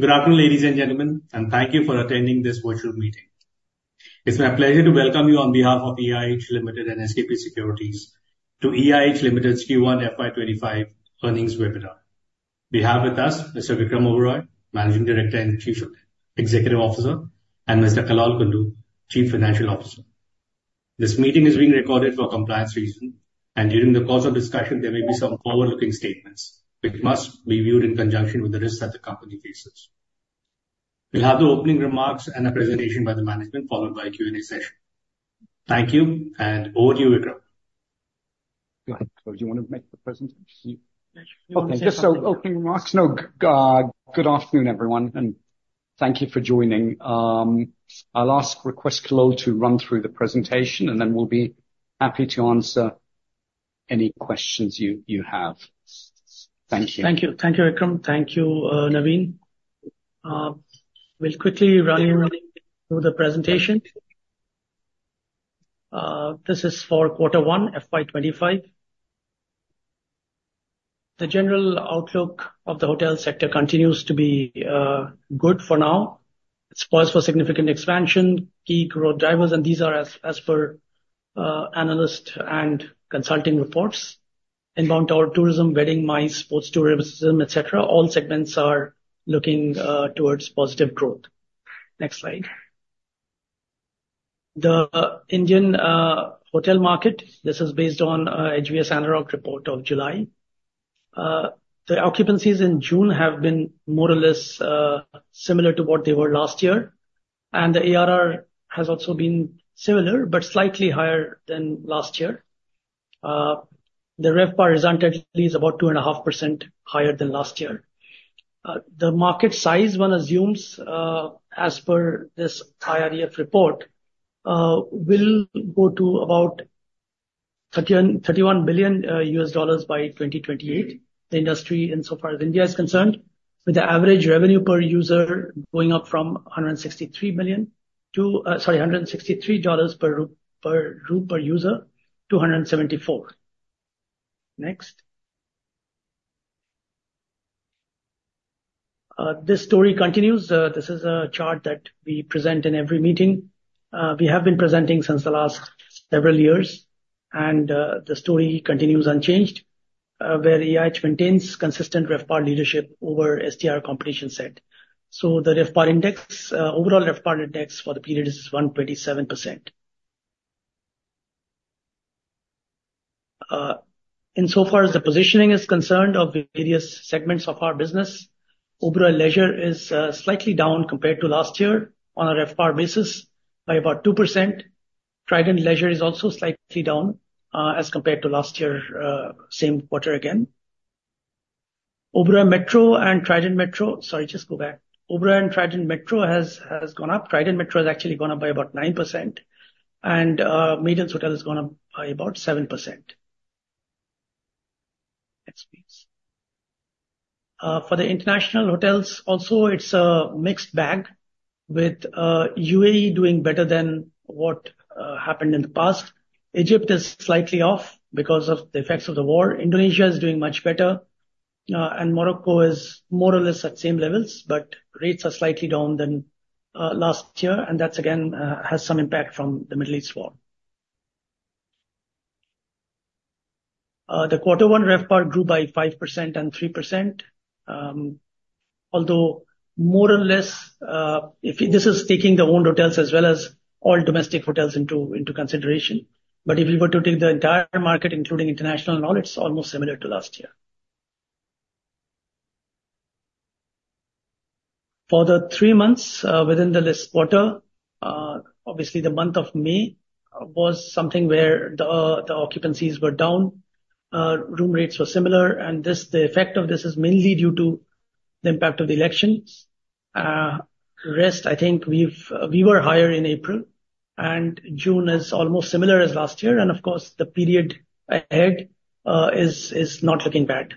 Good afternoon, ladies and gentlemen, and thank you for attending this virtual meeting. It's my pleasure to welcome you on behalf of EIH Limited and SKP Securities to EIH Limited's Q1 FY25 earnings webinar. We have with us Mr. Vikram Oberoi, Managing Director and Chief Executive Officer, and Mr. Kallol Kundu, Chief Financial Officer. This meeting is being recorded for compliance reasons, and during the course of discussion, there may be some forward-looking statements, which must be viewed in conjunction with the risks that the company faces. We'll have the opening remarks and a presentation by the management, followed by a Q&A session. Thank you, and over to you, Vikram. Go ahead. So do you want to make the presentation? Sure. Good afternoon, everyone, and thank you for joining. I'll ask, request Kallol to run through the presentation, and then we'll be happy to answer any questions you have. Thank you. Thank you. Thank you, Vikram. Thank you, Naveen. We'll quickly run through the presentation. This is for quarter one, FY 2025. The general outlook of the hotel sector continues to be good for now. It poised for significant expansion, key growth drivers, and these are as per analyst and consulting reports. Inbound tourism, wedding, MICE, sports tourism, et cetera, all segments are looking towards positive growth. Next slide. The Indian hotel market, this is based on HVS Anarock report of July. The occupancies in June have been more or less similar to what they were last year, and the ARR has also been similar, but slightly higher than last year. The RevPAR is actually about 2.5% higher than last year. The market size, one assumes, as per this IBEF report, will go to about $31 billion by 2028. The industry, in so far as India is concerned, with the average revenue per user going up from 163 million to, sorry, 163 dollars per room, per room per user to 174. Next. This story continues. This is a chart that we present in every meeting. We have been presenting since the last several years, and the story continues unchanged, where EIH maintains consistent RevPAR leadership over STR competition set. So the RevPAR index, overall RevPAR index for the period is 197%. And so far as the positioning is concerned of the various segments of our business, Oberoi Leisure is slightly down compared to last year on a RevPAR basis by about 2%. Trident Leisure is also slightly down as compared to last year, same quarter again. Oberoi Metro and Trident Metro... Sorry, just go back. Oberoi and Trident Metro has gone up. Trident Metro has actually gone up by about 9%, and Maidens Hotel has gone up by about 7%. Next, please. For the international hotels, also, it's a mixed bag, with UAE doing better than what happened in the past. Egypt is slightly off because of the effects of the war. Indonesia is doing much better, and Morocco is more or less at the same levels, but rates are slightly down than last year, and that's again has some impact from the Middle East war. The quarter one RevPAR grew by 5% and 3%, although more or less, if this is taking the owned hotels as well as all domestic hotels into consideration. But if you were to take the entire market, including international and all, it's almost similar to last year. For the three months within the last quarter, obviously, the month of May was something where the occupancies were down, room rates were similar, and this, the effect of this is mainly due to the impact of the elections. Rest, I think we were higher in April, and June is almost similar as last year, and of course, the period ahead is not looking bad.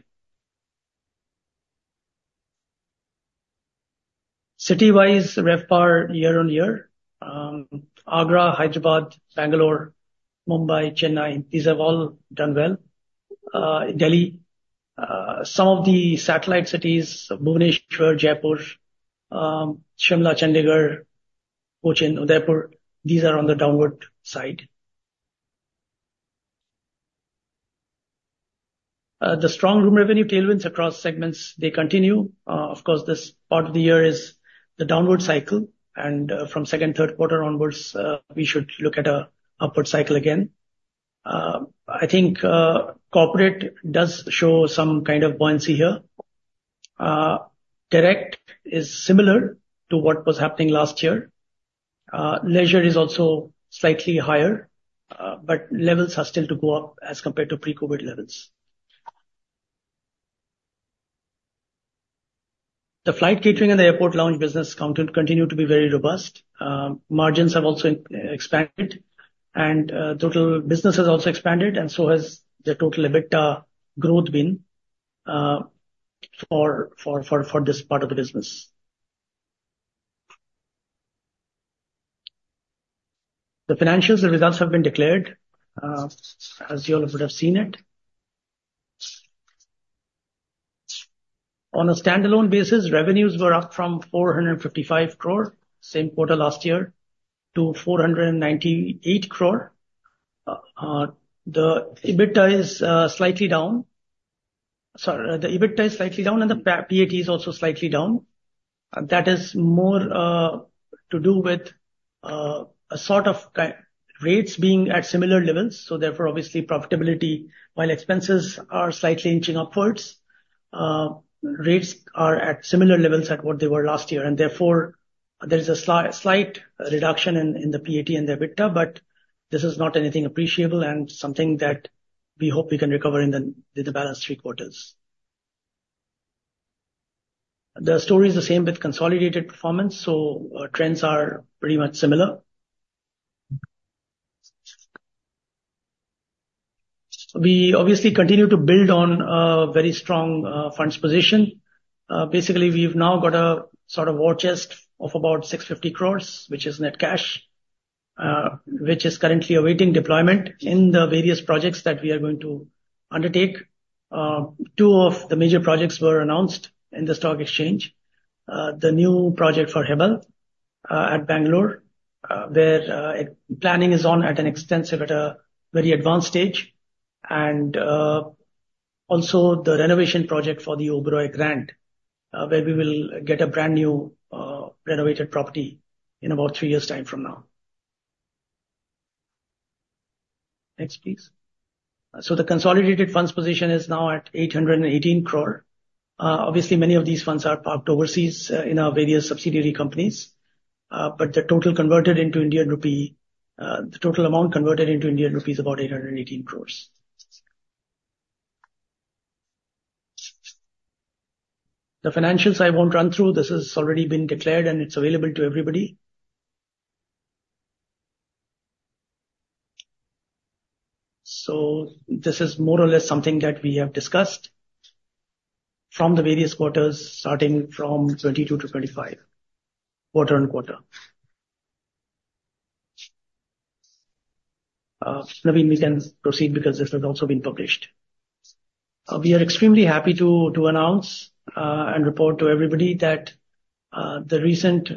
City-wise, RevPAR year-on-year, Agra, Hyderabad, Bangalore, Mumbai, Chennai, these have all done well. Delhi, some of the satellite cities, Bhubaneswar, Jaipur, Shimla, Chandigarh, Cochin, Udaipur, these are on the downward side. The strong room revenue tailwinds across segments, they continue. Of course, this part of the year is the downward cycle, and, from second, third quarter onwards, we should look at a upward cycle again. I think, corporate does show some kind of buoyancy here. Direct is similar to what was happening last year. Leisure is also slightly higher, but levels are still to go up as compared to pre-COVID levels. The flight catering and airport lounge business continues to be very robust. Margins have also expanded, and total business has also expanded and so has the total EBITDA growth been for this part of the business. The financials and results have been declared, as you all would have seen it. On a standalone basis, revenues were up from 455 crore same quarter last year to 498 crore. The EBITDA is slightly down. Sorry, the EBITDA is slightly down, and the PAT is also slightly down. That is more to do with a sort of rates being at similar levels, so therefore, obviously, profitability, while expenses are slightly inching upwards, rates are at similar levels at what they were last year, and therefore, there is a slight reduction in the PAT and EBITDA, but this is not anything appreciable and something that we hope we can recover in the balanced three quarters. The story is the same with consolidated performance, so trends are pretty much similar. We obviously continue to build on very strong funds position. Basically, we've now got a sort of war chest of about 650 crores, which is net cash, which is currently awaiting deployment in the various projects that we are going to undertake. Two of the major projects were announced in the stock exchange. The new project for Hebbal at Bangalore, where planning is on at a very advanced stage, and also the renovation project for the Oberoi Grand, where we will get a brand-new renovated property in about three years' time from now. Next, please. So the consolidated funds position is now at 818 crore. Obviously, many of these funds are parked overseas in our various subsidiary companies. But the total converted into Indian rupee, the total amount converted into Indian rupee is about 818 crores Indian rupees. The financials I won't run through. This has already been declared, and it's available to everybody. So this is more or less something that we have discussed from the various quarters, starting from 2022-2025, quarter on quarter. Naveen, we can proceed because this has also been published. We are extremely happy to announce and report to everybody that the recent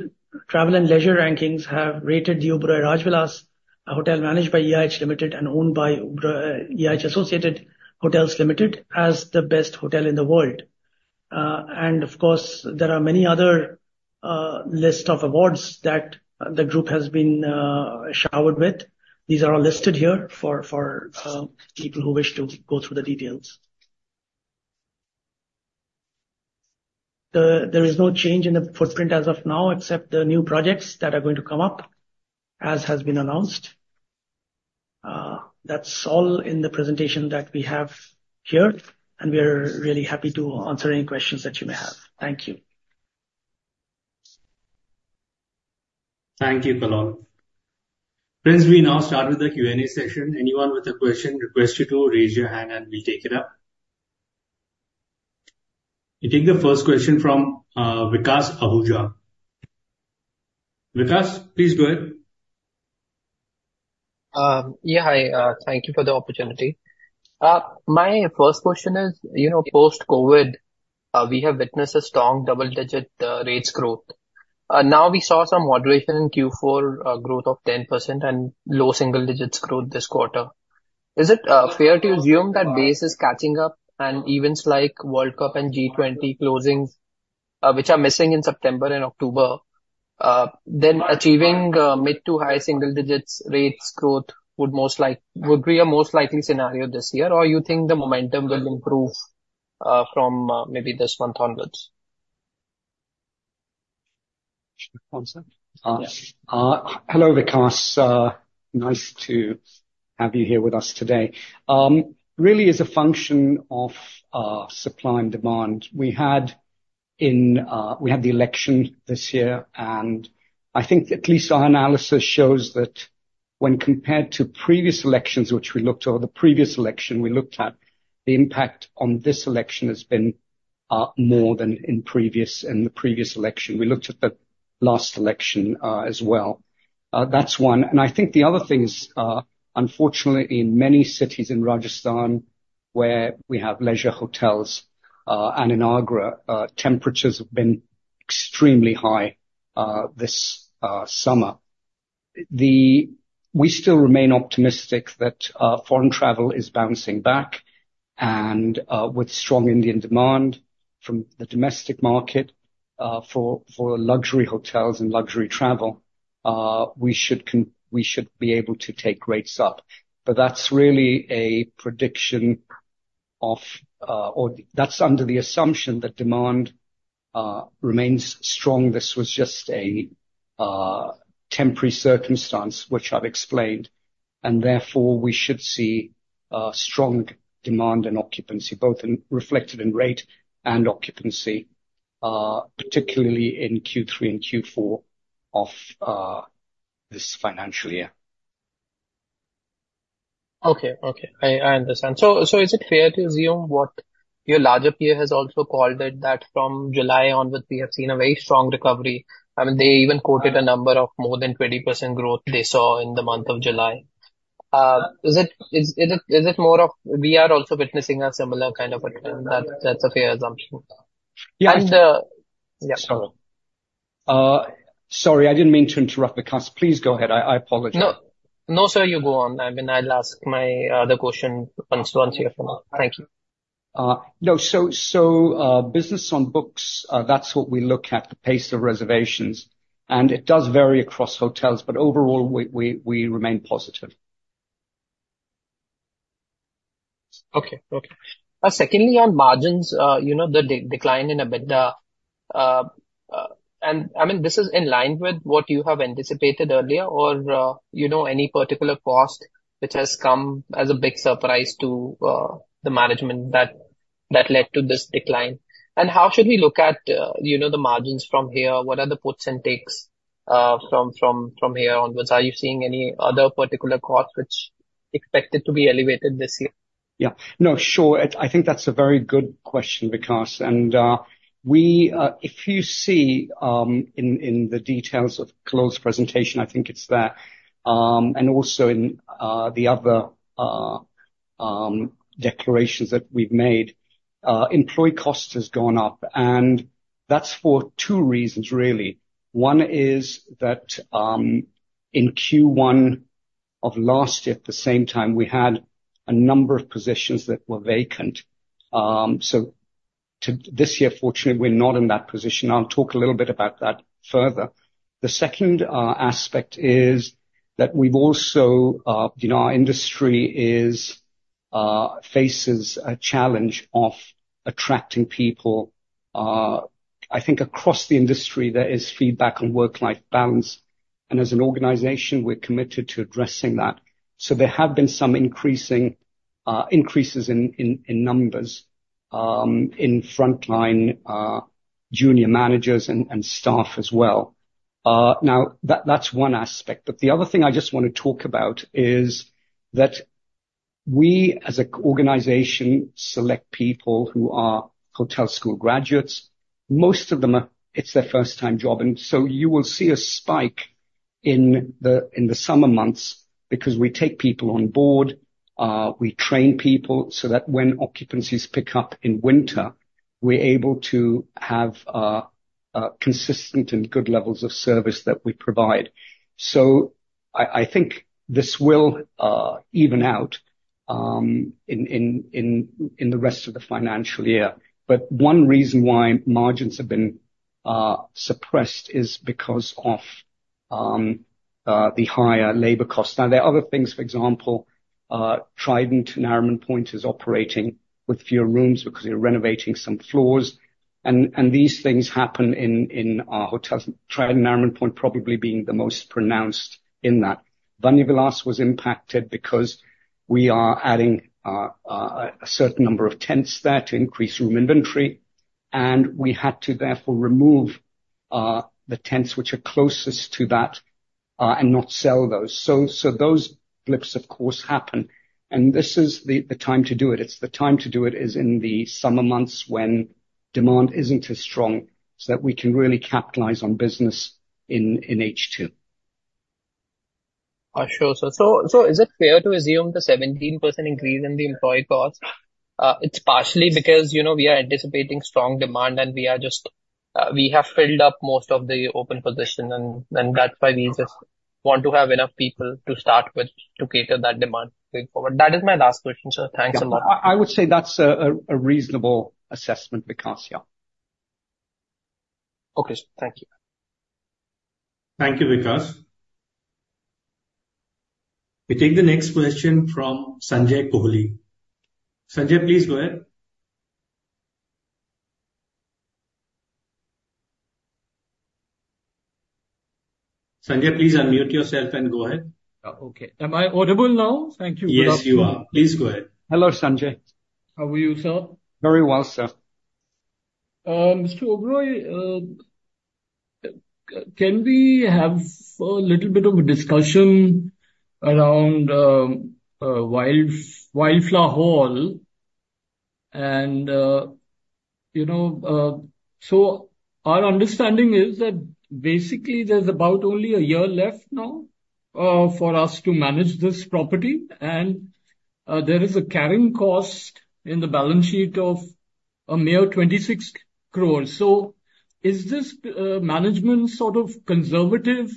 Travel and Leisure rankings have rated the Oberoi Rajvilas, a hotel managed by EIH Limited and owned by Oberoi EIH Associated Hotels Limited, as the best hotel in the world. And of course, there are many other list of awards that the group has been showered with. These are all listed here for people who wish to go through the details. There is no change in the footprint as of now, except the new projects that are going to come up, as has been announced. That's all in the presentation that we have here, and we are really happy to answer any questions that you may have. Thank you. Thank you, Kallol. Friends, we now start with the Q&A session. Anyone with a question, request you to raise your hand, and we'll take it up. We take the first question from Vikas Ahuja. Vikas, please go ahead. Yeah, hi, thank you for the opportunity. My first question is, you know, post-COVID, we have witnessed a strong double-digit rates growth. Now we saw some moderation in Q4, growth of 10% and low single digits growth this quarter. Is it fair to assume that base is catching up and events like World Cup and G20 closings, which are missing in September and October, then achieving mid to high single digits rates growth would most like... would be a most likely scenario this year? Or you think the momentum will improve from maybe this month onwards? Hello, Vikas. Nice to have you here with us today. Really is a function of supply and demand. We had the election this year, and I think at least our analysis shows that when compared to previous elections, which we looked at, or the previous election we looked at, the impact on this election has been more than in previous, in the previous election. We looked at the last election as well. That's one. And I think the other thing is, unfortunately, in many cities in Rajasthan, where we have leisure hotels, and in Agra, temperatures have been extremely high this summer. We still remain optimistic that foreign travel is bouncing back, and with strong Indian demand from the domestic market, for luxury hotels and luxury travel, we should be able to take rates up. But that's really a prediction of, or that's under the assumption that demand remains strong. This was just a temporary circumstance, which I've explained, and therefore, we should see strong demand and occupancy, both reflected in rate and occupancy, particularly in Q3 and Q4 of this financial year. Okay, I understand. So, is it fair to assume what your larger peer has also called it, that from July onwards, we have seen a very strong recovery? I mean, they even quoted a number of more than 20% growth they saw in the month of July. Is it more of we are also witnessing a similar kind of a trend, that's a fair assumption? Yeah. And, yeah. Sorry, I didn't mean to interrupt, Vikas. Please go ahead. I apologize. No. No, sir, you go on. I mean, I'll ask my other question once you're finished. Thank you. No, so, business on books, that's what we look at, the pace of reservations, and it does vary across hotels, but overall, we remain positive. Okay. Secondly, on margins, you know, the decline in EBITDA, and I mean, this is in line with what you have anticipated earlier or, you know, any particular cost which has come as a big surprise to the management that led to this decline? And how should we look at, you know, the margins from here? What are the puts and takes from here onwards? Are you seeing any other particular costs which expected to be elevated this year? Yeah. No, sure. I think that's a very good question, Vikas. If you see, in the details of Kallol's presentation, I think it's there, and also in the other declarations that we've made, employee cost has gone up, and that's for two reasons, really. One is that, in Q1 of last year, at the same time, we had a number of positions that were vacant. So to- this year, fortunately, we're not in that position. I'll talk a little bit about that further. The second aspect is that we've also, you know, our industry faces a challenge of attracting people. I think across the industry there is feedback on work-life balance, and as an organization, we're committed to addressing that. So there have been some increasing increases in numbers in frontline junior managers and staff as well. Now that's one aspect, but the other thing I just want to talk about is that we as a organization select people who are hotel school graduates. Most of them are, it's their first time job, and so you will see a spike in the summer months because we take people on board, we train people so that when occupancies pick up in winter, we're able to have consistent and good levels of service that we provide. So I think this will even out in the rest of the financial year. But one reason why margins have been suppressed is because of the higher labor costs. Now, there are other things, for example, Trident Nariman Point is operating with fewer rooms because we are renovating some floors, and these things happen in our hotels. Trident Nariman Point probably being the most pronounced in that. Bandhavgarh was impacted because we are adding a certain number of tents there to increase room inventory, and we had to therefore remove the tents which are closest to that and not sell those. So those blips, of course, happen, and this is the time to do it. It's the time to do it is in the summer months when demand isn't as strong, so that we can really capitalize on business in H2. Sure, sir. So, is it fair to assume the 17% increase in the employee cost, it's partially because, you know, we are anticipating strong demand and we are just, we have filled up most of the open position, and, and that's why we just want to have enough people to start with to cater that demand going forward. That is my last question, sir. Thanks a lot. I would say that's a reasonable assessment, Vikas. Yeah. Okay, sir. Thank you. Thank you, Vikas. We take the next question from Sanjay Kohli. Sanjay, please go ahead. Sanjay, please unmute yourself and go ahead. Okay. Am I audible now? Thank you. Yes, you are. Please go ahead. Hello, Sanjay. How are you, sir? Very well, sir. Mr. Oberoi, can we have a little bit of a discussion around Wildflower Hall? And you know, so our understanding is that basically there's about only a year left now for us to manage this property, and there is a carrying cost in the balance sheet of a mere 26 crore. So is this management sort of conservative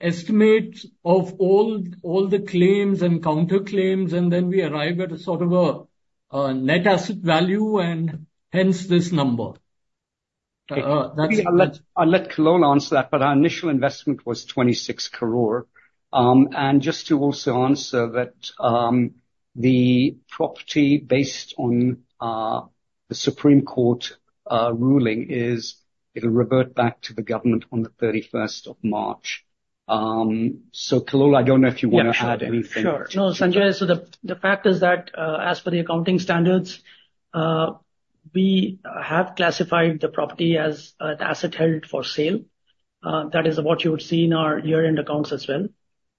estimates of all the claims and counterclaims, and then we arrive at a sort of a net asset value, and hence this number? That's- I'll let, I'll let Kallol answer that, but our initial investment was 26 crore. And just to also answer that, the property, based on the Supreme Court ruling, is it'll revert back to the government on the thirty-first of March. So, Kallol, I don't know if you want to add anything. Sure. No, Sanjay, so the fact is that, as per the accounting standards, we have classified the property as an asset held for sale. That is what you would see in our year-end accounts as well,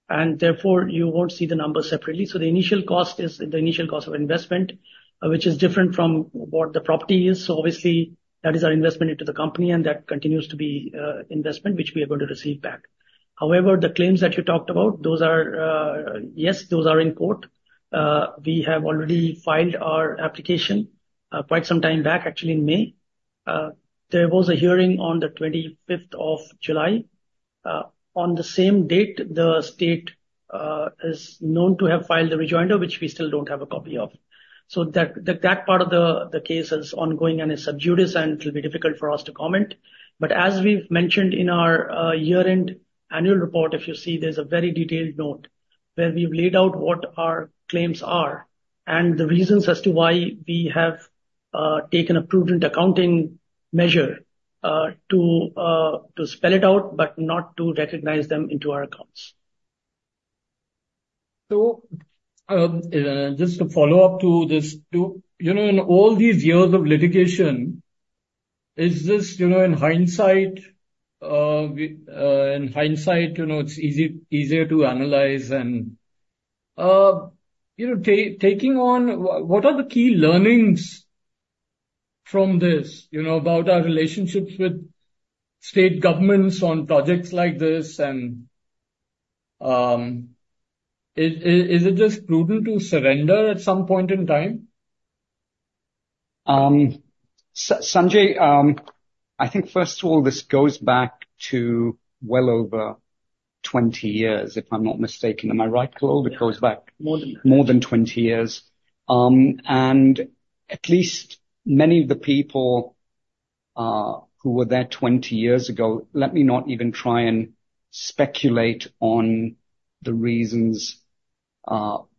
and therefore, you won't see the numbers separately. So the initial cost is the initial cost of investment, which is different from what the property is. So obviously, that is our investment into the company, and that continues to be, investment, which we are going to receive back. However, the claims that you talked about, those are, yes, those are in court. We have already filed our application, quite some time back, actually in May. There was a hearing on the 25th of July. On the same date, the state, is known to have filed a rejoinder, which we still don't have a copy of. So that, that part of the, the case is ongoing and is sub judice, and it will be difficult for us to comment. But as we've mentioned in our year-end annual report, if you see, there's a very detailed note where we've laid out what our claims are and the reasons as to why we have taken a prudent accounting measure to spell it out, but not to recognize them into our accounts. Just to follow up to this. You know, in all these years of litigation, is this, you know, in hindsight, in hindsight, you know, it's easier to analyze and, you know, taking on, what are the key learnings from this, you know, about our relationships with state governments on projects like this? And, is it just prudent to surrender at some point in time? Sanjay, I think, first of all, this goes back to well over 20 years, if I'm not mistaken. Am I right, Kul? Yeah. It goes back- More than that. More than 20 years. And at least many of the people who were there 20 years ago, let me not even try and speculate on the reasons,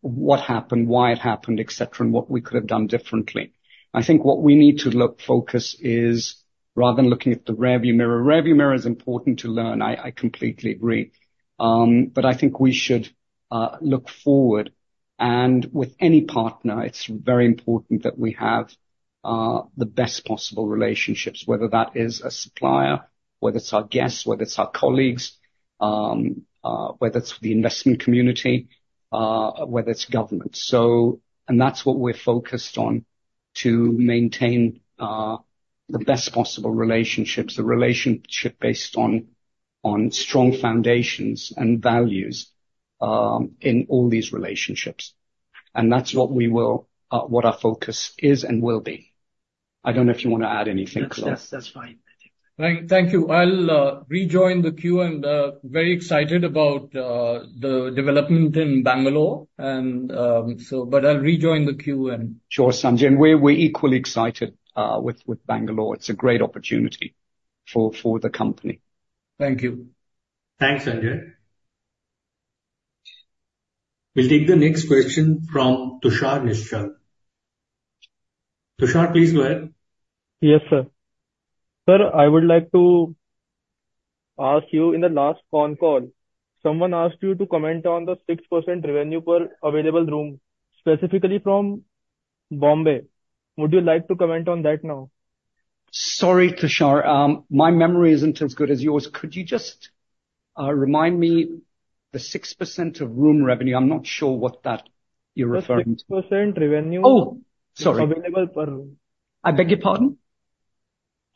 what happened, why it happened, et cetera, and what we could have done differently. I think what we need to look focus is, rather than looking at the rearview mirror, rearview mirror is important to learn, I completely agree. But I think we should look forward, and with any partner, it's very important that we have the best possible relationships, whether that is a supplier, whether it's our guests, whether it's our colleagues, whether it's the investment community, whether it's government. So... And that's what we're focused on, to maintain the best possible relationships, the relationship based on strong foundations and values in all these relationships. That's what we will, what our focus is and will be. I don't know if you want to add anything, Kallol. That's fine. Thank you. I'll rejoin the queue and very excited about the development in Bangalore, and so but I'll rejoin the queue and- Sure, Sanjay, and we're equally excited with Bangalore. It's a great opportunity for the company. Thank you. Thanks, Sanjay. We'll take the next question from Tushar Nishal. Tushar, please go ahead. Yes, sir. Sir, I would like to ask you, in the last conf call, someone asked you to comment on the 6% revenue per available room, specifically from Bombay. Would you like to comment on that now? Sorry, Tushar, my memory isn't as good as yours. Could you just remind me the 6% of room revenue? I'm not sure what that you're referring to. The 6% revenue- Oh, sorry. Available per room. I beg your pardon?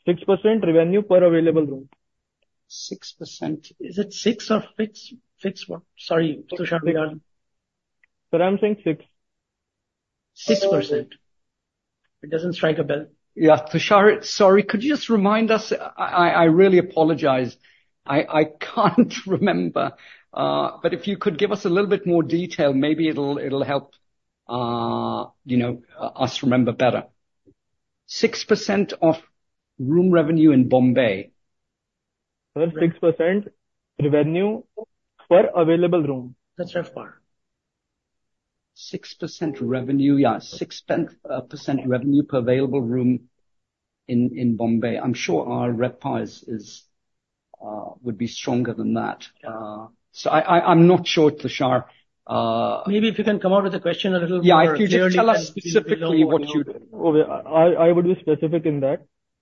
6% revenue per available room. 6%. Is it 6 or 6? 6 what? Sorry, Tushar, we are- Sir, I'm saying 6. 6%. It doesn't strike a bell. Yeah. Tushar, sorry, could you just remind us? I really apologize. I can't remember, but if you could give us a little bit more detail, maybe it'll help, you know, us remember better. 6% of room revenue in Bombay. Sir, 6% revenue per available room. That's RevPAR. 6% revenue, yeah, 6% revenue per available room in Bombay. I'm sure our RevPAR would be stronger than that. Yeah. So, I'm not sure, Tushar. Maybe if you can come out with the question a little more clearly. Yeah, if you just tell us specifically what you- Okay. I would be specific in that.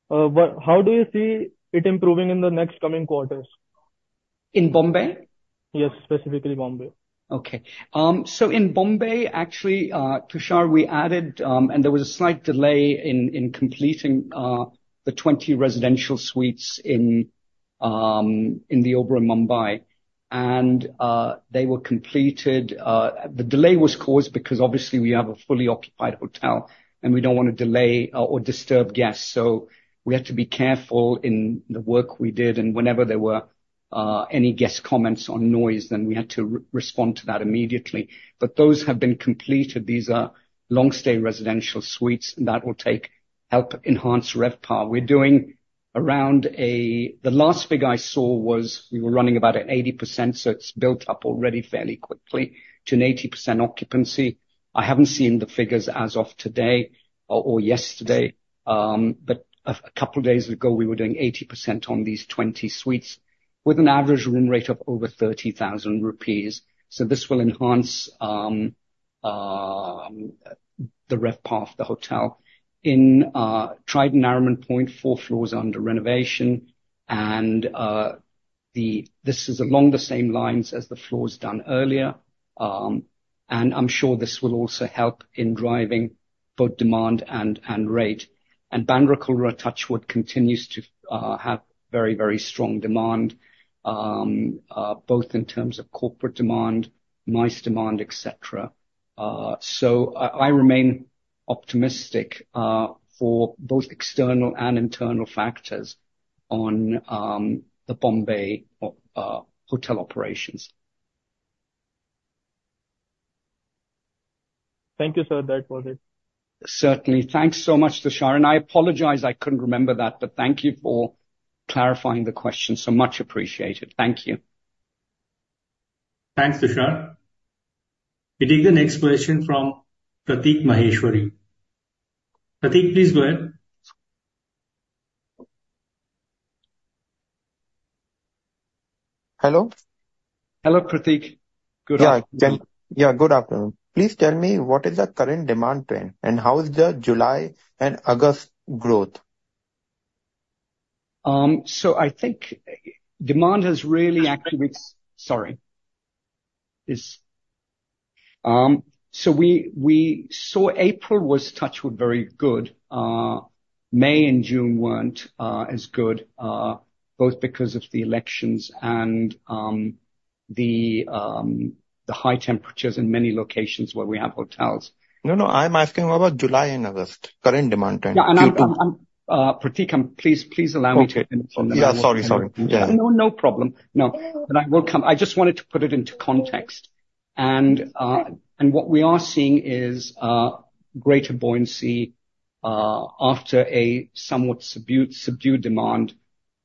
But how do you see it improving in the next coming quarters? In Bombay? Yes, specifically Bombay. Okay. So in Bombay, actually, Tushar, we added, and there was a slight delay in completing the 20 residential suites in The Oberoi, Mumbai. And they were completed. The delay was caused because obviously we have a fully occupied hotel, and we don't want to delay or disturb guests, so we had to be careful in the work we did, and whenever there were any guest comments on noise, then we had to respond to that immediately. But those have been completed. These are long-stay residential suites, and that will help enhance RevPAR. We're doing around a. The last figure I saw was we were running about at 80%, so it's built up already fairly quickly to an 80% occupancy. I haven't seen the figures as of today or yesterday. But a couple of days ago, we were doing 80% on these 20 suites, with an average room rate of over 30,000 rupees. So this will enhance the RevPAR of the hotel. In Trident, Nariman Point, 4 floors are under renovation, and this is along the same lines as the floors done earlier. And I'm sure this will also help in driving both demand and rate. And Trident, Bandra Kurla continues to have very, very strong demand both in terms of corporate demand, MICE demand, et cetera. So I remain optimistic for both external and internal factors on the Bombay hotel operations. Thank you, sir. That was it. Certainly. Thanks so much, Tushar, and I apologize I couldn't remember that, but thank you for clarifying the question. So much appreciated. Thank you. Thanks, Tushar. We take the next question from Pratik Maheshwari. Pratik, please go ahead. Hello? Hello, Pratik. Good afternoon. Yeah, good afternoon. Please tell me, what is the current demand trend, and how is the July and August growth? So, I think demand has really actually—sorry. So, we saw April was touch wood, very good. May and June weren't as good, both because of the elections and the high temperatures in many locations where we have hotels. No, no, I'm asking about July and August, current demand trend, Q2. No, and I'm Pratik, please, please allow me to- Okay. Yeah. Sorry, sorry. Yeah. No, no problem. No, but I will come. I just wanted to put it into context. And what we are seeing is greater buoyancy after a somewhat subdued demand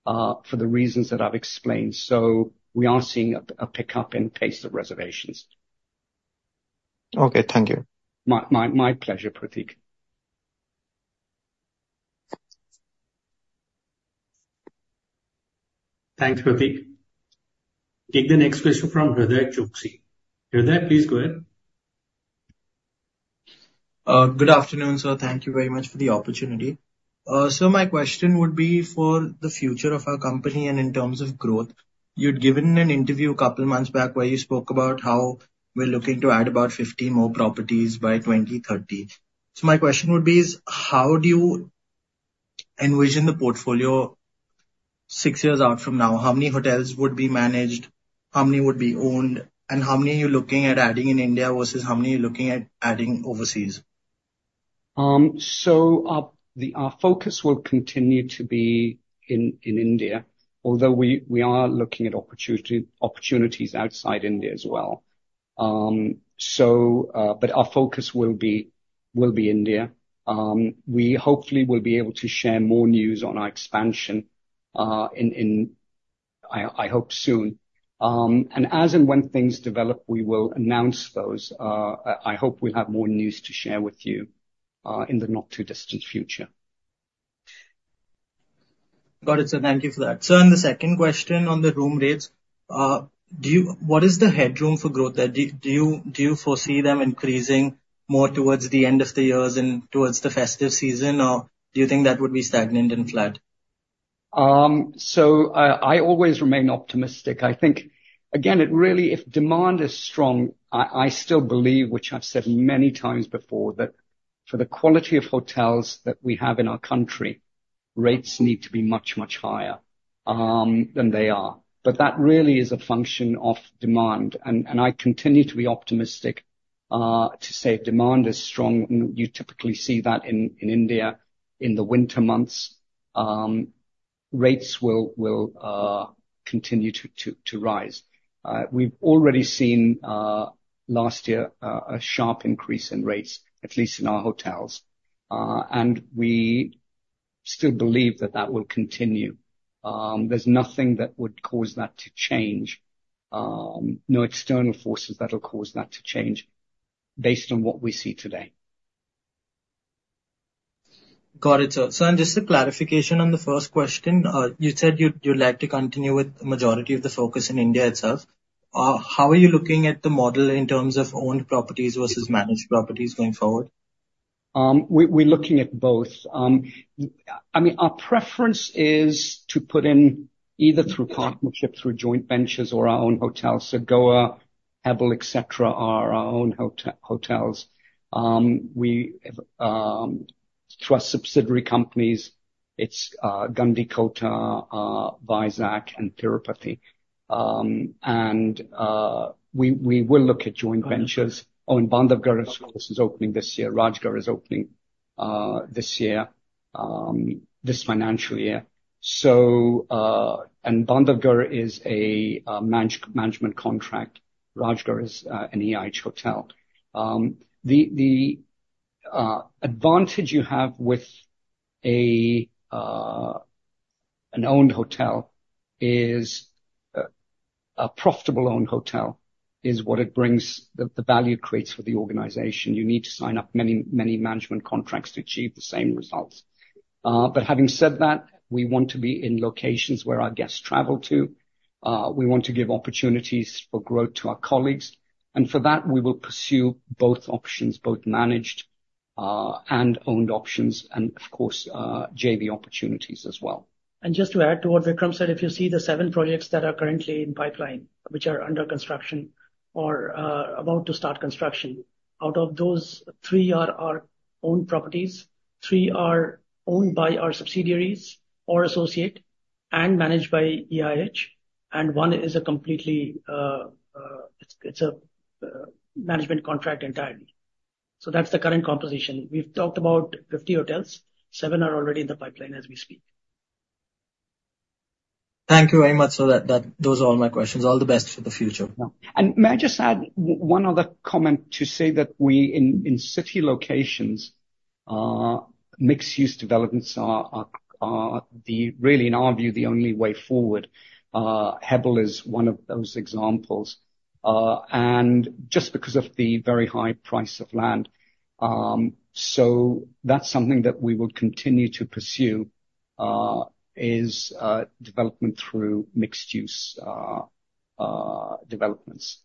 for the reasons that I've explained. So we are seeing a pickup in pace of reservations. Okay, thank you. My pleasure, Pratik. Thanks, Pratik. Take the next question from Hriday Choksey. Hriday, please go ahead. Good afternoon, sir. Thank you very much for the opportunity. So my question would be for the future of our company and in terms of growth. You'd given an interview a couple of months back, where you spoke about how we're looking to add about 50 more properties by 2030. So my question would be, is how do you envision the portfolio six years out from now? How many hotels would be managed, how many would be owned, and how many are you looking at adding in India versus how many are you looking at adding overseas? So, our focus will continue to be in India, although we are looking at opportunities outside India as well. But our focus will be India. We hopefully will be able to share more news on our expansion, I hope, soon. And as and when things develop, we will announce those. I hope we'll have more news to share with you in the not-too-distant future. Got it, sir. Thank you for that. Sir, and the second question on the room rates, do you... What is the headroom for growth there? Do you foresee them increasing more towards the end of the years and towards the festive season, or do you think that would be stagnant and flat? So, I always remain optimistic. I think, again, it really, if demand is strong, I still believe, which I've said many times before, that for the quality of hotels that we have in our country, rates need to be much, much higher than they are. But that really is a function of demand, and I continue to be optimistic to say demand is strong. You typically see that in India, in the winter months. Rates will continue to rise. We've already seen last year a sharp increase in rates, at least in our hotels, and we still believe that that will continue. There's nothing that would cause that to change, no external forces that will cause that to change, based on what we see today. Got it, sir. Sir, just a clarification on the first question. You said you'd like to continue with the majority of the focus in India itself. How are you looking at the model in terms of owned properties versus managed properties going forward? We, we're looking at both. I mean, our preference is to put in either through partnerships, through joint ventures or our own hotels. So Goa, Hebbal, et cetera, are our own hotels. We have, through our subsidiary companies, it's, Gandikota, Vizag and Tirupati. And, we, we will look at joint ventures. Oh, and Bandhavgarh, this is opening this year. Rajgarh is opening, this year, this financial year. So, and Bandhavgarh is a, management contract. Rajgarh is, an EIH hotel. The, the, advantage you have with a, an owned hotel is, a profitable owned hotel, is what it brings, the, the value it creates for the organization. You need to sign up many, many management contracts to achieve the same results. But having said that, we want to be in locations where our guests travel to. We want to give opportunities for growth to our colleagues, and for that, we will pursue both options, both managed and owned options, and of course, JV opportunities as well. Just to add to what Vikram said, if you see the seven projects that are currently in pipeline, which are under construction or about to start construction, out of those, three are our own properties, three are owned by our subsidiaries or associate and managed by EIH, and one is a completely, it's a management contract entirely. So that's the current composition. We've talked about 50 hotels. Seven are already in the pipeline as we speak. Thank you very much. So that, that, those are all my questions. All the best for the future. May I just add one other comment to say that we, in city locations, mixed-use developments are, in our view, the really the only way forward. Hebbal is one of those examples. Just because of the very high price of land, so that's something that we will continue to pursue, is development through mixed-use developments.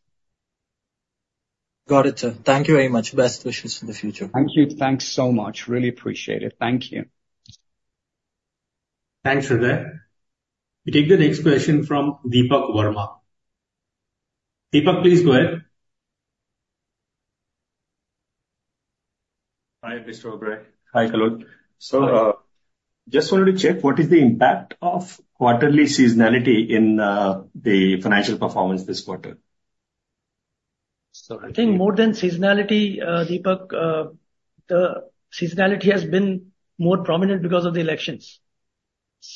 Got it, sir. Thank you very much. Best wishes for the future. Thank you. Thanks so much. Really appreciate it. Thank you. Thanks, Sudhir. We take the next question from Deepak Verma. Deepak, please go ahead. Hi, Mr. Oberoi. Hi, Kallol. So, just wanted to check what is the impact of quarterly seasonality in the financial performance this quarter? I think more than seasonality, Deepak, the seasonality has been more prominent because of the elections.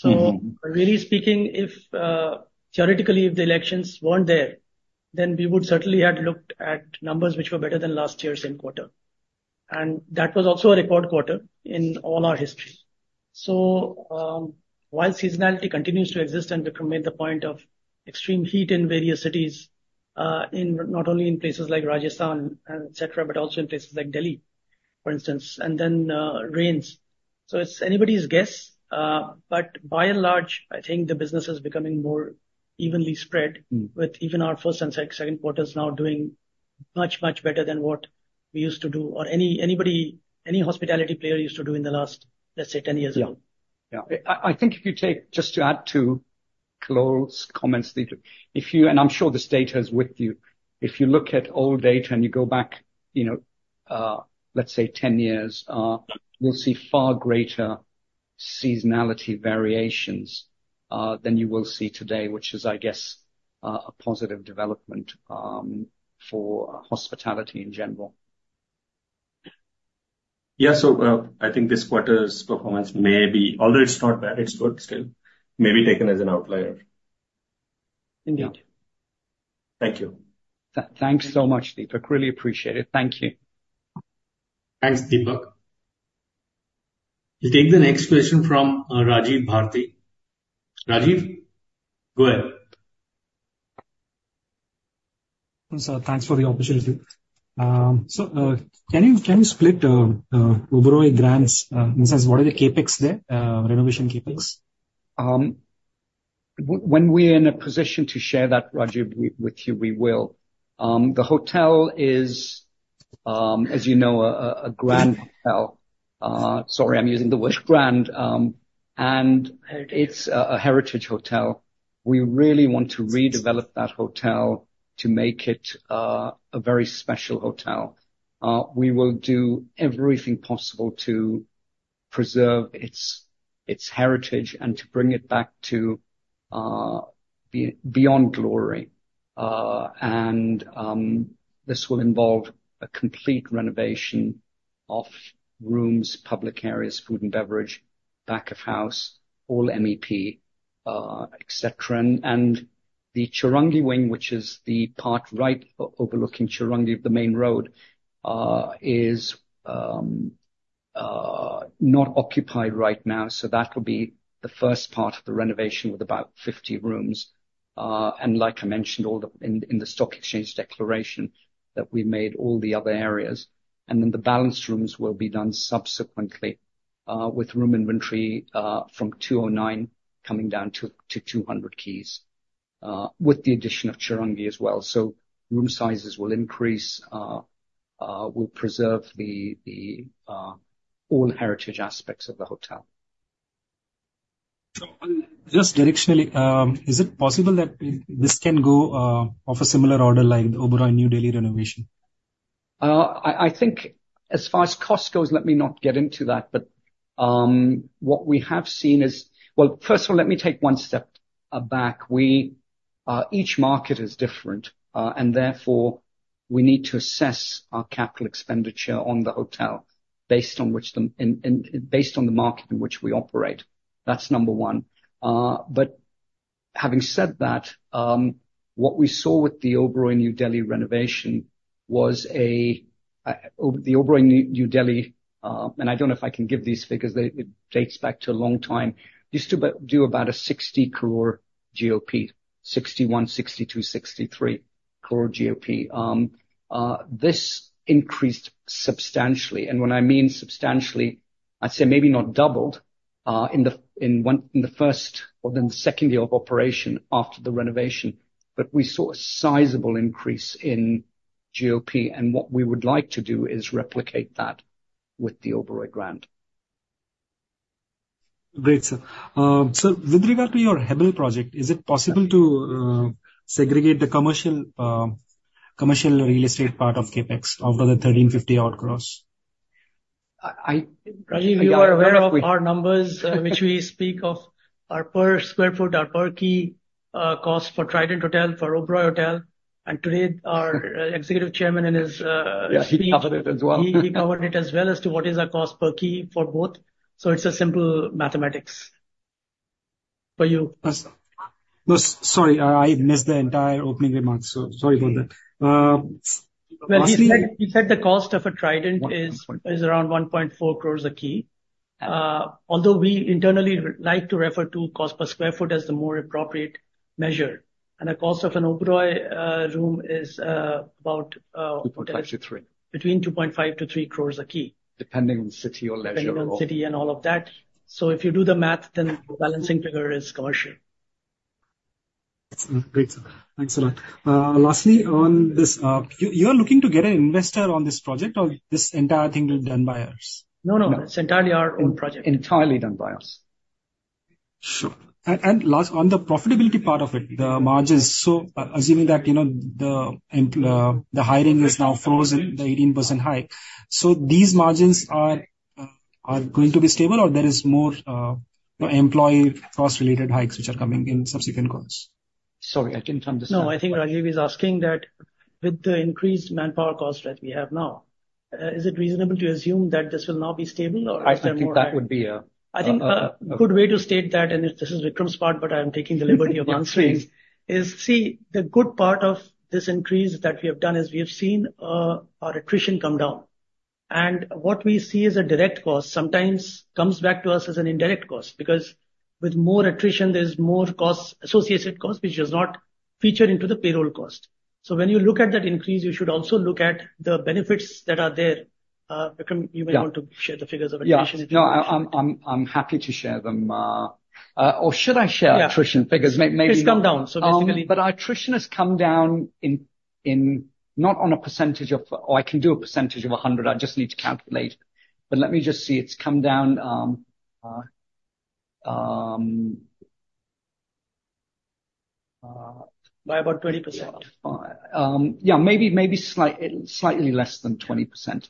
Mm-hmm. So really speaking, if theoretically, if the elections weren't there, then we would certainly had looked at numbers which were better than last year's same quarter. And that was also a record quarter in all our history. So while seasonality continues to exist, and Vikram made the point of extreme heat in various cities, in not only in places like Rajasthan and et cetera, but also in places like Delhi, for instance, and then rains. So it's anybody's guess, but by and large, I think the business is becoming more evenly spread- Mm. with even our first and second quarters now doing much, much better than what we used to do, or anybody, any hospitality player used to do in the last, let's say, ten years ago. Yeah. Yeah. I think if you take... Just to add to Kallol's comments, Deepak, if you, and I'm sure this data is with you, if you look at old data, and you go back, you know, let's say 10 years, you'll see far greater seasonality variations than you will see today, which is, I guess, a positive development for hospitality in general. Yeah. So, I think this quarter's performance may be, although it's not bad, it's good still, taken as an outlier. Indeed. Thank you. Thanks so much, Deepak. Really appreciate it. Thank you. Thanks, Deepak. We take the next question from, Rajiv Bharati. Rajiv, go ahead. Sir, thanks for the opportunity. So, can you split Oberoi Grand? In a sense, what are the CapEx there, renovation CapEx? When we're in a position to share that, Rajiv, with you, we will. The hotel is, as you know, a grand hotel. Sorry, I'm using the word grand, and- Heritage. It's a heritage hotel. We really want to redevelop that hotel to make it a very special hotel. We will do everything possible to preserve its heritage and to bring it back to beyond glory. This will involve a complete renovation of rooms, public areas, food and beverage, back of house, all MEP, et cetera. The Chowringhee wing, which is the part right overlooking Chowringhee, the main road, is not occupied right now, so that will be the first part of the renovation with about 50 rooms. Like I mentioned, all the... In the stock exchange declaration that we made all the other areas, and then the balanced rooms will be done subsequently, with room inventory from 209 coming down to 200 keys, with the addition of Chowringhee as well. So room sizes will increase, we'll preserve all heritage aspects of the hotel. So just directionally, is it possible that this can go, of a similar order like the Oberoi New Delhi renovation? I, I think as far as cost goes, let me not get into that. But what we have seen is... Well, first of all, let me take one step back. We each market is different, and therefore, we need to assess our capital expenditure on the hotel, based on which the, and, and based on the market in which we operate. That's number one. But having said that, what we saw with The Oberoi, New Delhi renovation was a The Oberoi, New Delhi, and I don't know if I can give these figures, it dates back to a long time, used to do about 60 crore GOP, 61, 62, 63 crore GOP. This increased substantially, and when I mean substantially, I'd say maybe not doubled in the first or then the second year of operation after the renovation. But we saw a sizable increase in GOP, and what we would like to do is replicate that with the Oberoi Grand. Great, sir. So with regard to your Hebbal project, is it possible to segregate the commercial commercial real estate part of CapEx out of the 1,350-odd crores? Rajiv, you are aware of our numbers, which we speak of our per square foot, our per key, cost for Trident Hotel, for Oberoi Hotel, and today our Executive Chairman and his team- Yeah, he covered it as well. He covered it as well as to what is our cost per key for both, so it's a simple mathematics for you. No, sorry, I missed the entire opening remarks, so sorry about that. Lastly- Well, he said, he said the cost of a Trident is- One point. is around 1.4 crores, a key. Although we internally would like to refer to cost per square foot as the more appropriate measure. The cost of an Oberoi room is about 2.5 crores-3 crores. Between 2.5 crore-3 crore a key. Depending on city or leisure or- Depending on city and all of that. So if you do the math, then the balancing figure is commercial. Great, sir. Thanks a lot. Lastly, on this, you are looking to get an investor on this project, or this entire thing will be done by us? No, no. No. It's entirely our own project. Entirely done by us. Sure. And last, on the profitability part of it, the margins, so assuming that, you know, the hiring is now frozen, the 18% hike, so these margins are going to be stable, or there is more, you know, employee cost related hikes which are coming in subsequent quarters? Sorry, I didn't understand. No, I think Rajiv is asking that with the increased manpower cost that we have now, is it reasonable to assume that this will now be stable, or is there more- I think that would be a. I think a good way to state that, and this is Vikram's part, but I'm taking the liberty of answering. Yeah, please. See, the good part of this increase that we have done is we have seen our attrition come down. And what we see as a direct cost sometimes comes back to us as an indirect cost, because with more attrition, there's more costs, associated costs, which does not feature into the payroll cost. So when you look at that increase, you should also look at the benefits that are there. Vikram- Yeah. You may want to share the figures of attrition. Yeah. No, I'm happy to share them. Or should I share- Yeah Attrition figures? It's come down, so basically- But our attrition has come down in, not on a percentage of, or I can do a percentage of 100, I just need to calculate. But let me just say, it's come down. By about 20%. Yeah, maybe slightly less than 20%.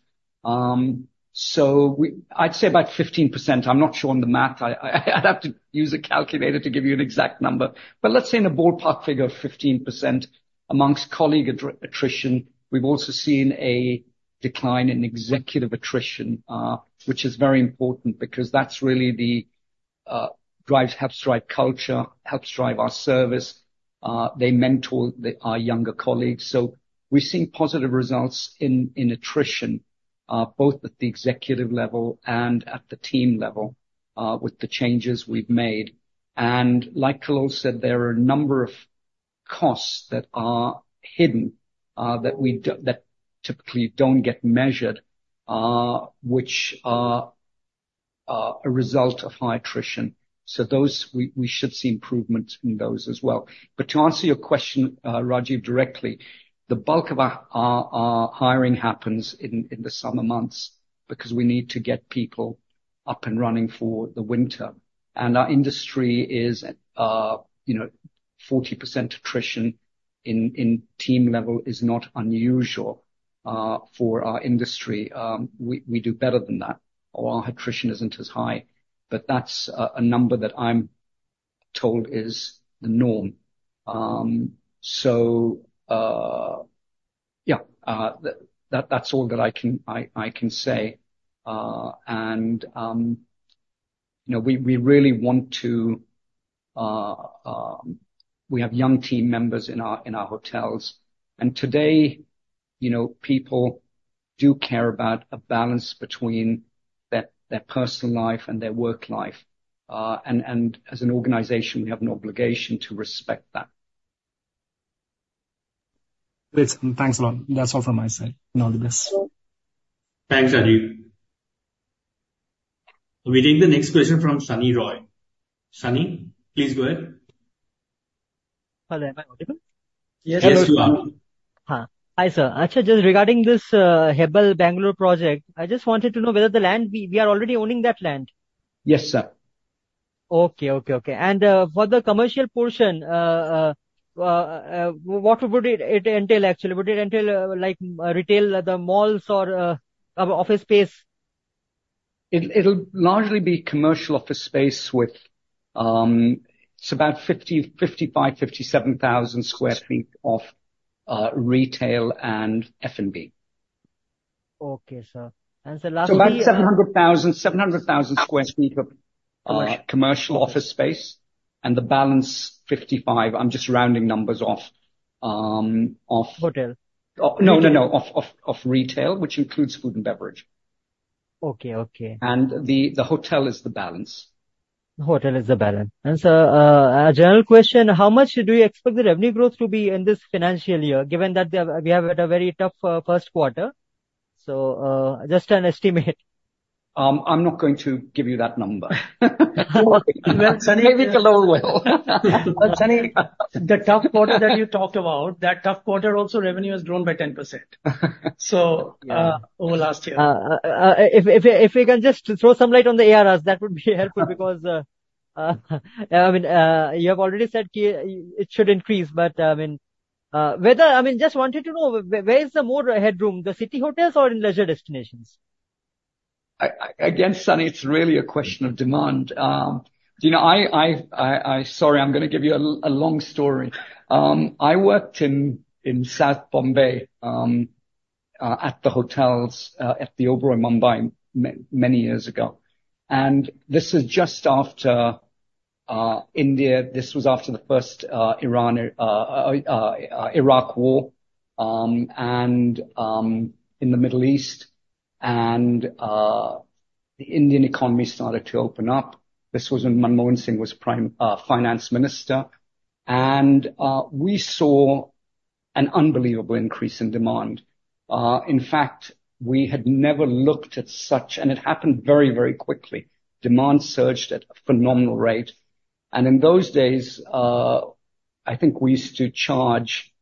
So we... I'd say about 15%. I'm not sure on the math. I'd have to use a calculator to give you an exact number, but let's say in a ballpark figure of 15% amongst colleague attrition. We've also seen a decline in executive attrition, which is very important, because that's really the, helps drive culture, helps drive our service. They mentor our younger colleagues. So we're seeing positive results in attrition, both at the executive level and at the team level, with the changes we've made. And like Kallol said, there are a number of costs that are hidden, that typically don't get measured, which are a result of high attrition. So those, we should see improvements in those as well. But to answer your question, Rajiv, directly, the bulk of our hiring happens in the summer months, because we need to get people up and running for the winter. And our industry is, you know, 40% attrition in team level is not unusual for our industry. We do better than that, our attrition isn't as high, but that's a number that I'm told is the norm. That's all that I can say. And you know, we really want to. We have young team members in our hotels, and today, you know, people do care about a balance between their personal life and their work life. As an organization, we have an obligation to respect that. Great, sir. Thanks a lot. That's all from my side. All the best. Thanks, Rajiv. We take the next question from Sunny Sarkar. Sunny, please go ahead. Hello, am I audible? Yes, you are. Yes, you are. Hi, sir. Actually, just regarding this Hebbal Bangalore project, I just wanted to know whether the land we are already owning that land? Yes, sir. Okay, okay, okay. And for the commercial portion, what would it entail actually? Would it entail like retail, the malls or office space? It'll, it'll largely be commercial office space with so about 50, 55, 57 thousand sq ft of retail and F&B. Okay, sir. And sir, lastly, So about 700,000 sq ft, 700,000 sq ft of- Got it. -commercial office space, and the balance 55, I'm just rounding numbers off. Hotel. No, no, no. Hotel. Of retail, which includes food and beverage. Okay, okay. And the hotel is the balance. The hotel is the balance. And so, a general question, how much do you expect the revenue growth to be in this financial year, given that the, we have had a very tough, first quarter? So, just an estimate. I'm not going to give you that number. Sunny, maybe it's a little well. But Sunny, the tough quarter that you talked about, that tough quarter also, revenue has grown by 10%. So, Yeah. Over the last year. If we can just throw some light on the ARRs, that would be helpful. Because, I mean, you have already said it should increase, but, I mean, whether... I mean, just wanted to know, where is the more headroom, the city hotels or in leisure destinations? Again, Sunny, it's really a question of demand. You know, sorry, I'm gonna give you a long story. I worked in South Bombay at the hotels at the Oberoi Mumbai many years ago. And this is just after India. This was after the first Iran-Iraq war in the Middle East. And the Indian economy started to open up. This was when Manmohan Singh was Prime Finance Minister, and we saw an unbelievable increase in demand. In fact, we had never looked at such, and it happened very quickly. Demand surged at a phenomenal rate, and in those days, I think we used to charge,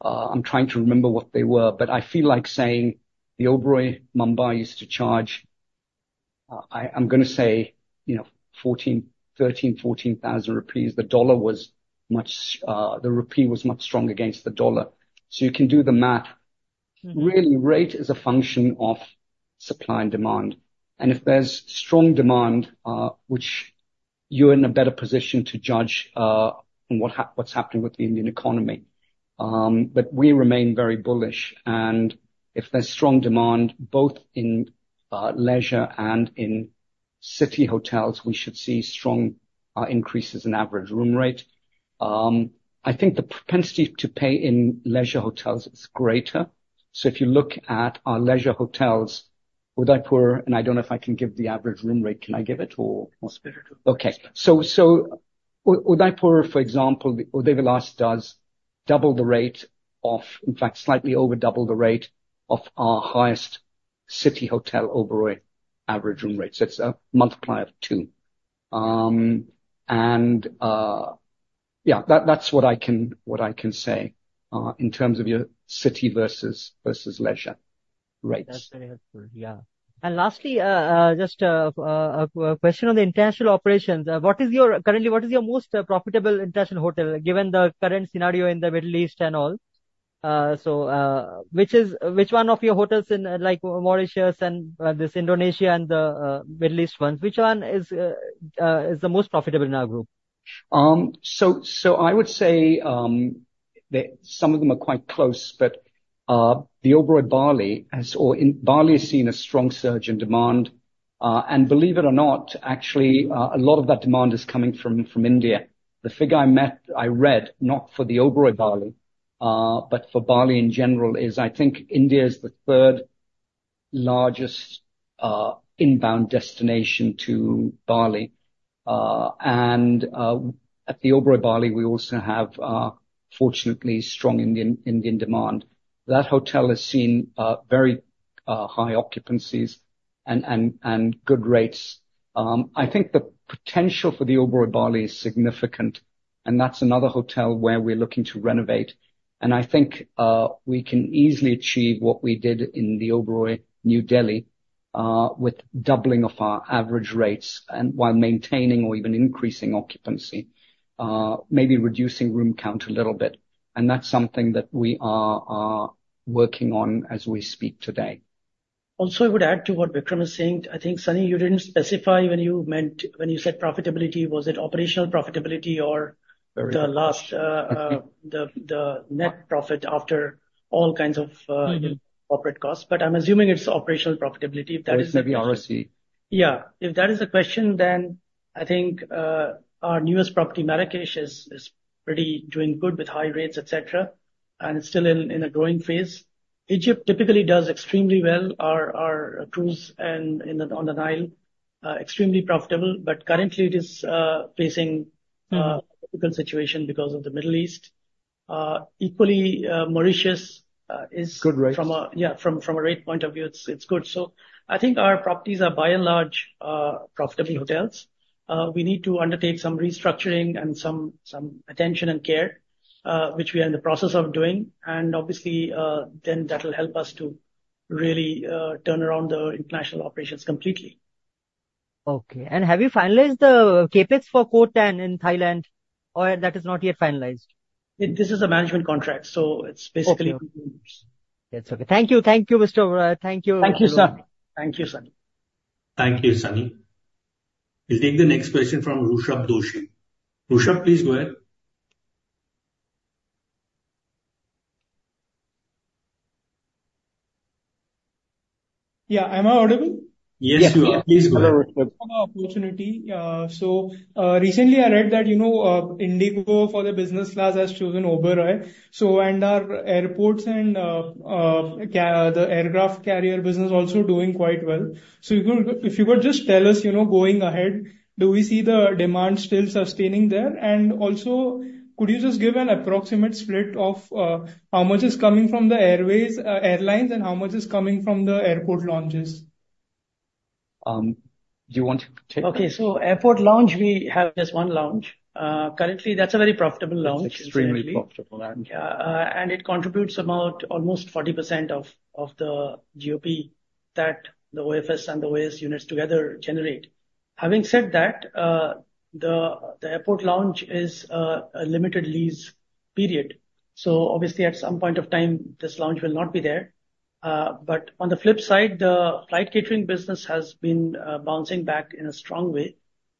I'm trying to remember what they were, but I feel like saying The Oberoi, Mumbai used to charge, I'm gonna say, you know, 13,000-14,000 rupees. The dollar was much, the rupee was much stronger against the dollar. So you can do the math. Mm. Really, rate is a function of supply and demand. And if there's strong demand, which you're in a better position to judge, on what's happening with the Indian economy. But we remain very bullish, and if there's strong demand, both in leisure and in city hotels, we should see strong increases in average room rate. I think the propensity to pay in leisure hotels is greater. So if you look at our leisure hotels, Udaipur, and I don't know if I can give the average room rate. Can I give it or...? Okay. Okay. So Udaipur, for example, the Udaivilas does double the rate of, in fact, slightly over double the rate of our highest city hotel, Oberoi average room rate. So it's a multiplier of two. That's what I can say in terms of your city versus leisure rates. That's very helpful. Yeah. And lastly, just a question on the international operations. What is your... Currently, what is your most profitable international hotel, given the current scenario in the Middle East and all? So, which one of your hotels in, like, Mauritius and this Indonesia and the Middle East ones, which one is the most profitable in our group? So, I would say, some of them are quite close, but the Oberoi Bali has, or in Bali, has seen a strong surge in demand. And believe it or not, actually, a lot of that demand is coming from India. The figure I read, not for the Oberoi Bali, but for Bali in general, is, I think India is the third largest inbound destination to Bali. And at the Oberoi Bali, we also have, fortunately, strong Indian demand. That hotel has seen very high occupancies and good rates. I think the potential for the Oberoi Bali is significant, and that's another hotel where we're looking to renovate. I think we can easily achieve what we did in The Oberoi, New Delhi, with doubling of our average rates and while maintaining or even increasing occupancy, maybe reducing room count a little bit. That's something that we are working on as we speak today. Also, I would add to what Vikram is saying. I think, Sunny, you didn't specify what you meant when you said profitability. Was it operational profitability or- Very well. the last net profit after all kinds of Mm-hmm. corporate costs? But I'm assuming it's operational profitability, if that is the- Maybe ROC. Yeah. If that is the question, then I think, our newest property, Marrakesh, is pretty doing good with high rates, et cetera, and it's still in a growing phase. Egypt typically does extremely well. Our cruise on the Nile extremely profitable, but currently it is facing- Mm. difficult situation because of the Middle East. Equally, Mauritius, is- Good rates. Yeah, from a rate point of view, it's good. So I think our properties are, by and large, profitable hotels. We need to undertake some restructuring and some attention and care, which we are in the process of doing. And obviously, then that will help us to really turn around the international operations completely. Okay. And have you finalized the CapEx for Koh Tan in Thailand, or that is not yet finalized? This is a management contract, so it's basically- Okay. That's okay. Thank you, thank you, Mr. thank you. Thank you, sir. Thank you, Sunny. Thank you, Sunny. We'll take the next question from Rushabh Doshi. Rushabh, please go ahead. Yeah. Am I audible? Yes, you are. Please go ahead. Opportunity. So, recently I read that, you know, IndiGo for the business class has chosen Oberoi. So and our airports and the aircraft catering business also doing quite well. So if you could, if you could just tell us, you know, going ahead, do we see the demand still sustaining there? And also, could you just give an approximate split of how much is coming from the airways, airlines, and how much is coming from the airport lounges? Do you want to take that? Okay, so airport lounge, we have just one lounge. Currently, that's a very profitable lounge. It's extremely profitable, yeah. And it contributes about almost 40% of the GOP that the OFS and the OAS units together generate. Having said that, the airport lounge is a limited lease period. So obviously, at some point of time, this lounge will not be there. But on the flip side, the flight catering business has been bouncing back in a strong way.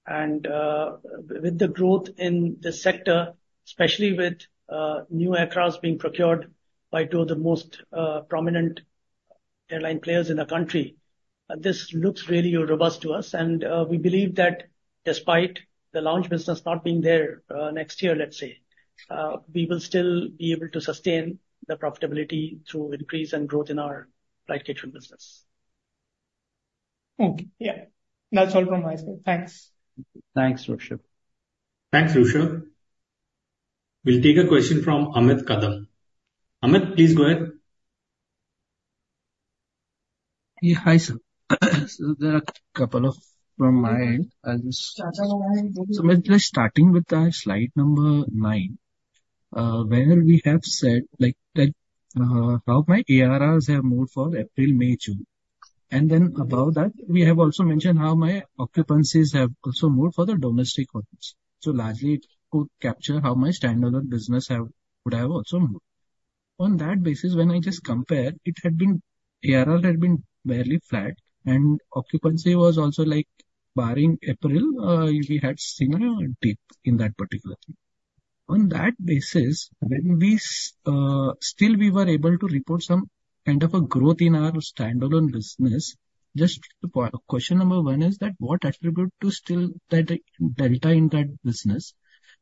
And with the growth in this sector, especially with new aircraft being procured by two of the most prominent airline players in the country, this looks really robust to us. And we believe that despite the lounge business not being there next year, let's say, we will still be able to sustain the profitability through increase and growth in our flight catering business. Okay. Yeah, that's all from my side. Thanks. Thanks, Rushabh. Thanks, Rushabh. We'll take a question from Amit Kadam. Amit, please go ahead. Yeah. Hi, sir. So there are a couple of from my end. I'll just. So maybe just starting with the slide number 9, where we have said, like, that, how my ARRs have moved for April, May, June. And then above that, we have also mentioned how my occupancies have also moved for the domestic audience. So largely it could capture how my standalone business have, would have also moved. On that basis, when I just compare, it had been, ARR had been barely flat, and occupancy was also like barring April, we had similar dip in that particular thing. On that basis, still we were able to report some kind of a growth in our standalone business. Just to follow, question number one is that what attributed to still that delta in that business?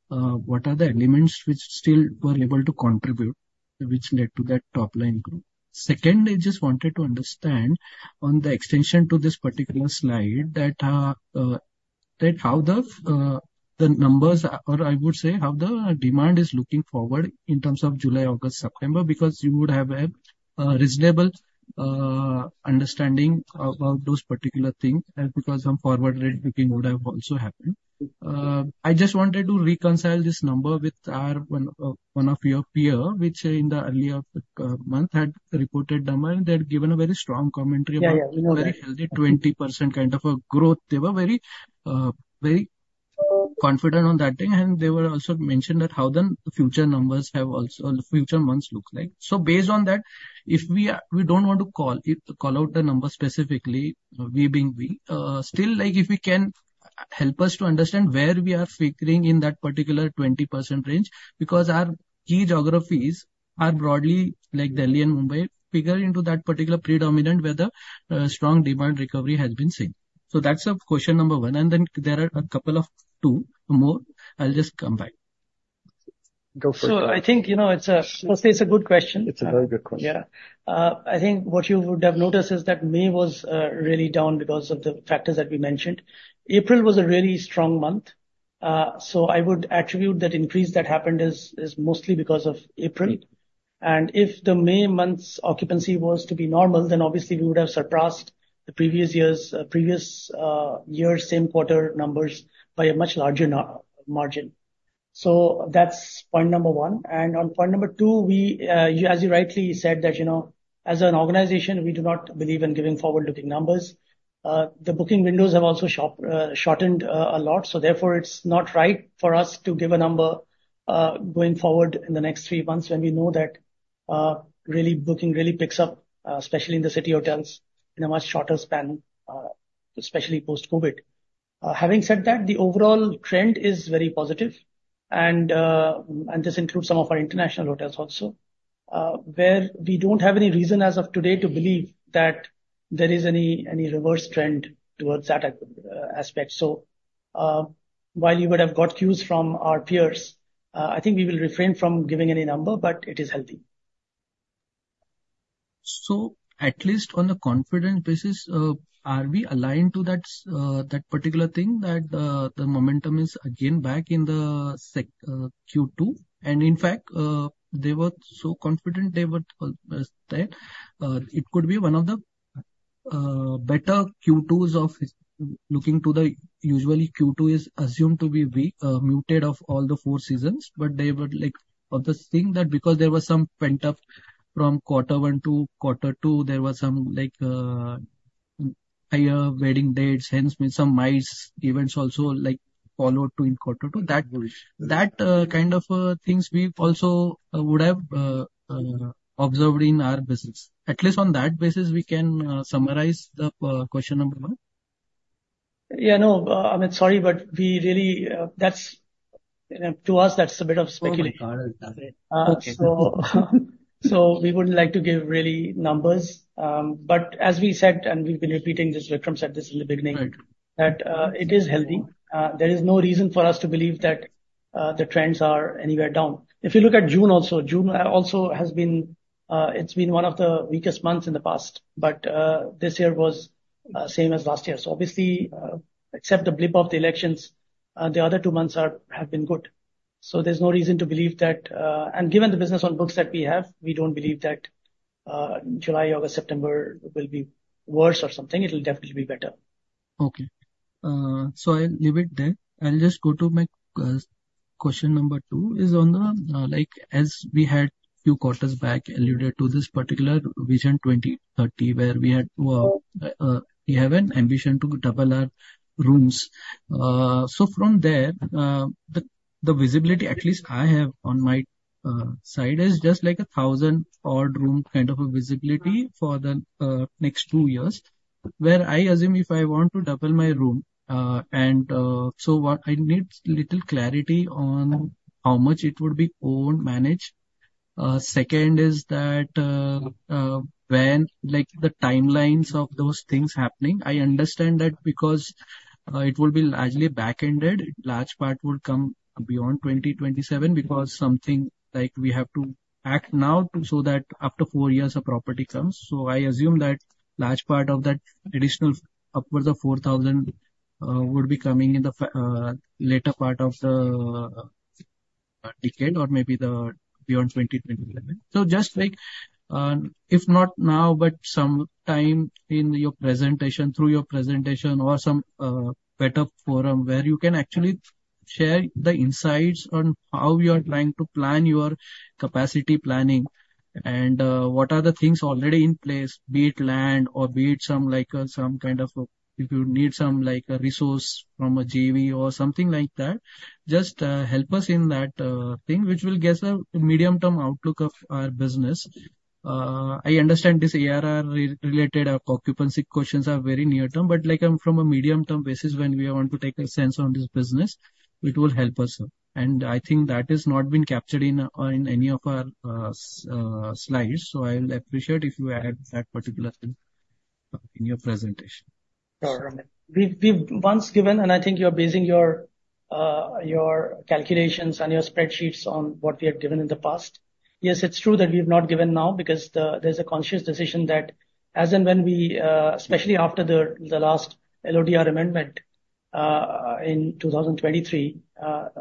What are the elements which still were able to contribute, which led to that top line growth? Second, I just wanted to understand on the extension to this particular slide, that that how the the numbers are, or I would say, how the demand is looking forward in terms of July, August, September, because you would have a reasonable understanding about those particular things, and because some forward rate booking would have also happened. I just wanted to reconcile this number with our, one, one of your peer, which in the earlier of the month had reported them, and they had given a very strong commentary about- Yeah, yeah. a very healthy 20% kind of a growth. They were very, very confident on that thing, and they were also mentioned that how the future numbers have also, or the future months look like. So based on that, if we are—we don't want to call it, call out the numbers specifically, we being we, still, like, if we can help us to understand where we are figuring in that particular 20% range, because our key geographies are broadly like Delhi and Mumbai, figure into that particular predominant where the, strong demand recovery has been seen. So that's a question number one. And then there are a couple of two more. I'll just come back. Go for it. So I think, you know, firstly, it's a good question. It's a very good question. Yeah. I think what you would have noticed is that May was really down because of the factors that we mentioned. April was a really strong month. So I would attribute that increase that happened is mostly because of April. And if the May month's occupancy was to be normal, then obviously we would have surpassed the previous year's same quarter numbers by a much larger margin. So that's point number one. And on point number two, we, you, as you rightly said, that, you know, as an organization, we do not believe in giving forward-looking numbers. The booking windows have also shrunk a lot, so therefore it's not right for us to give a number going forward in the next three months, when we know that really, booking really picks up, especially in the city hotels, in a much shorter span, especially post-COVID. Having said that, the overall trend is very positive, and this includes some of our international hotels also, where we don't have any reason as of today to believe that there is any reverse trend towards that aspect. So, while you would have got cues from our peers, I think we will refrain from giving any number, but it is healthy. So at least on a confident basis, are we aligned to that, that particular thing, that, the momentum is again back in the second Q2? And in fact, they were so confident they were, that, it could be one of the better Q2s of... Looking to the usually Q2 is assumed to be weak, muted of all the four seasons, but they were like, of the thing that because there was some pent-up from quarter one to quarter two, there was some, like, higher wedding dates, hence some MICE events also like followed to in quarter two. Good. That kind of things we also would have observed in our business. At least on that basis, we can summarize the question number one? Yeah, no, I mean, sorry, but we really, that's, you know, to us, that's a bit of speculating. Oh, got it. Got it. So, so we wouldn't like to give really numbers. But as we said, and we've been repeating this, Vikram said this in the beginning. Right. That it is healthy. There is no reason for us to believe that the trends are anywhere down. If you look at June also, June also has been, it's been one of the weakest months in the past, but this year was same as last year. So obviously, except the blip of the elections, the other two months are, have been good. So there's no reason to believe that... And given the business on books that we have, we don't believe that July, August, September will be worse or something. It'll definitely be better. Okay. So I'll leave it there. I'll just go to my question number two, is on the like, as we had a few quarters back, alluded to this particular Vision 2030, where we have an ambition to double our rooms. So from there, the visibility, at least I have on my side, is just like 1,000 odd room kind of a visibility for the next two years. Where I assume, if I want to double my room, and so what I need little clarity on how much it would be owned, managed? Second is that, when, like, the timelines of those things happening, I understand that because it will be largely back-ended, large part will come beyond 2027, because something like we have to act now so that after 4 years, a property comes. So I assume that large part of that additional upwards of 4,000 would be coming in the later part of the decade or maybe beyond 2027. So just like, if not now, but some time in your presentation, through your presentation or some better forum, where you can actually share the insights on how you are trying to plan your capacity planning and what are the things already in place, be it land or be it some, like, some kind of a, if you need some, like, a resource from a JV or something like that. Just help us in that thing, which will guess the medium-term outlook of our business. I understand this ARR-related or occupancy questions are very near term, but, like, I'm from a medium-term basis, when we want to take a sense on this business, it will help us. And I think that has not been captured in any of our slides. I'll appreciate if you add that particular thing in your presentation. Sure. We've, we've once given, and I think you're basing your your calculations and your spreadsheets on what we have given in the past. Yes, it's true that we've not given now, because the, there's a conscious decision that as and when we, especially after the, the last LODR amendment, in 2023,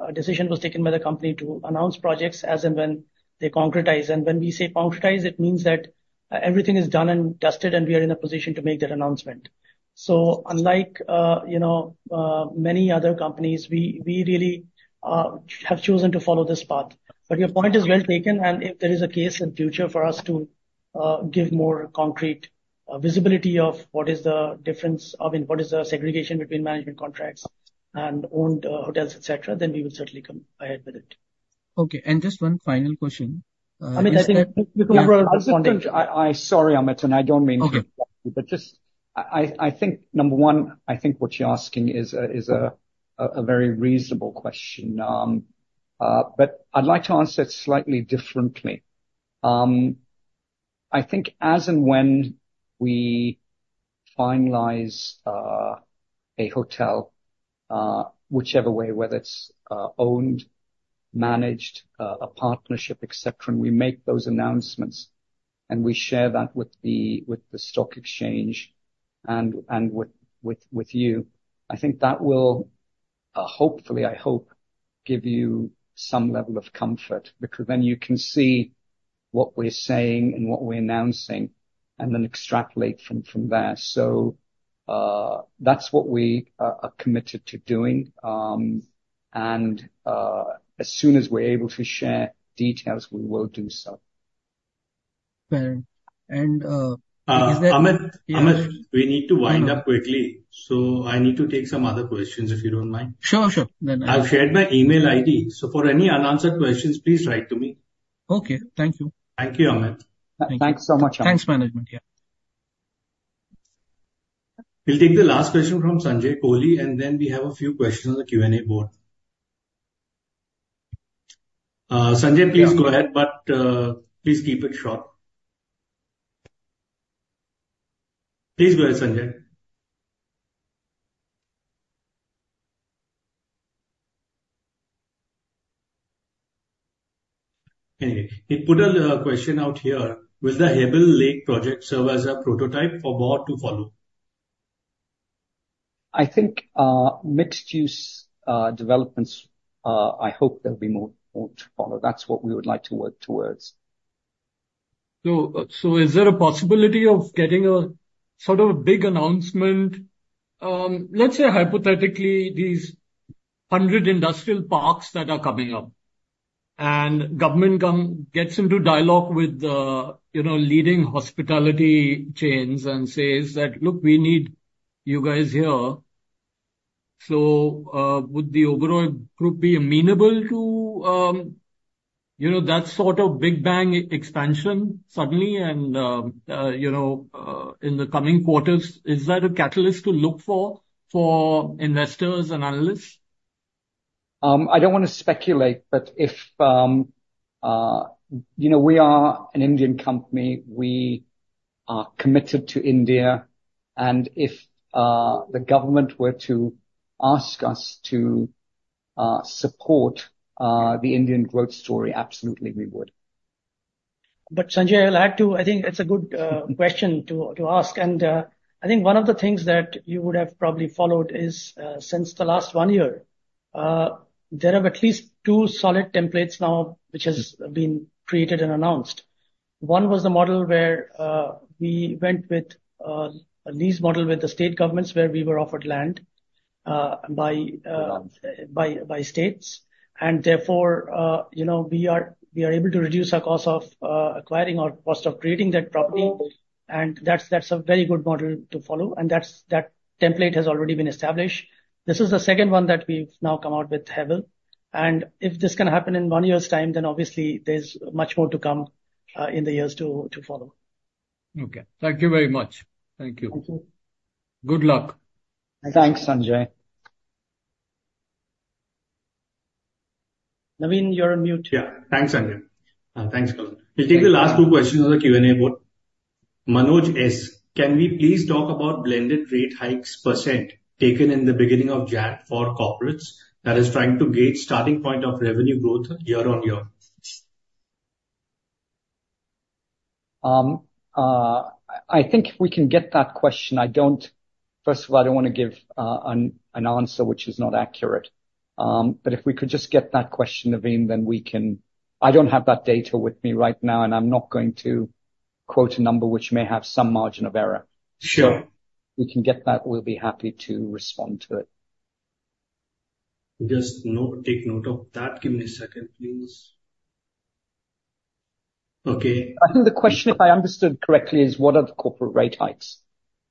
a decision was taken by the company to announce projects as and when they concretize. And when we say concretize, it means that everything is done and dusted, and we are in a position to make that announcement. So unlike, you know, many other companies, we, we really, have chosen to follow this path. But your point is well taken, and if there is a case in future for us to give more concrete visibility of what is the difference, I mean, what is the segregation between management contracts and owned hotels, et cetera, then we will certainly come ahead with it. Okay. Just one final question. I mean, I think- Sorry, Amit, and I don't mean to- Okay. But just I think, number one, I think what you're asking is a very reasonable question. But I'd like to answer it slightly differently. I think as and when we finalize a hotel, whichever way, whether it's owned, managed, a partnership, et cetera, and we make those announcements, and we share that with the stock exchange and with you, I think that will hopefully, I hope, give you some level of comfort, because then you can see what we're saying and what we're announcing, and then extrapolate from there. So, that's what we are committed to doing. And as soon as we're able to share details, we will do so. Fair. And, is there- Amit, Amit, we need to wind up quickly, so I need to take some other questions, if you don't mind. Sure, sure. I've shared my email ID, so for any unanswered questions, please write to me. Okay. Thank you. Thank you, Amit. Thanks so much, Amit. Thanks, management. Yeah. We'll take the last question from Sanjay Kohli, and then we have a few questions on the Q&A board. Sanjay, please go ahead, but, please keep it short. Please go ahead, Sanjay. Okay. He put a question out here: Will the Hebbal Lake project serve as a prototype for more to follow? I think mixed use developments. I hope there'll be more, more to follow. That's what we would like to work towards. So, is there a possibility of getting a sort of a big announcement? Let's say hypothetically, these 100 industrial parks that are coming up, and government come, gets into dialogue with the, you know, leading hospitality chains and says that, "Look, we need you guys here." So, would the Oberoi Group be amenable to, You know, that sort of big bang expansion suddenly and, you know, in the coming quarters, is that a catalyst to look for, for investors and analysts? I don't want to speculate, but if, you know, we are an Indian company, we are committed to India, and if the government were to ask us to support the Indian growth story, absolutely we would. But, Sanjay, I'll add, too, I think it's a good question to ask. And, I think one of the things that you would have probably followed is, since the last one year, there are at least two solid templates now which has been created and announced. One was the model where, we went with, a lease model with the state governments, where we were offered land, by states. And therefore, you know, we are able to reduce our cost of, acquiring or cost of creating that property. And that's a very good model to follow, and that's that template has already been established. This is the second one that we've now come out with, Hebbal. If this can happen in one year's time, then obviously there's much more to come in the years to follow. Okay. Thank you very much. Thank you. Thank you. Good luck. Thanks, Sanjay. Naveen, you're on mute. Yeah. Thanks, Sanjay. Thanks, Kallol. We'll take the last two questions on the Q&A board. Manoj S: Can we please talk about blended rate hikes percentage taken in the beginning of January for corporates? That is, trying to gauge starting point of revenue growth year-on-year. I think we can get that question. I don't... First of all, I don't want to give an answer which is not accurate. But if we could just get that question, Naveen, then we can. I don't have that data with me right now, and I'm not going to quote a number which may have some margin of error. Sure. If we can get that, we'll be happy to respond to it. Just note, take note of that. Give me a second, please. Okay. I think the question, if I understood correctly, is: What are the corporate rate hikes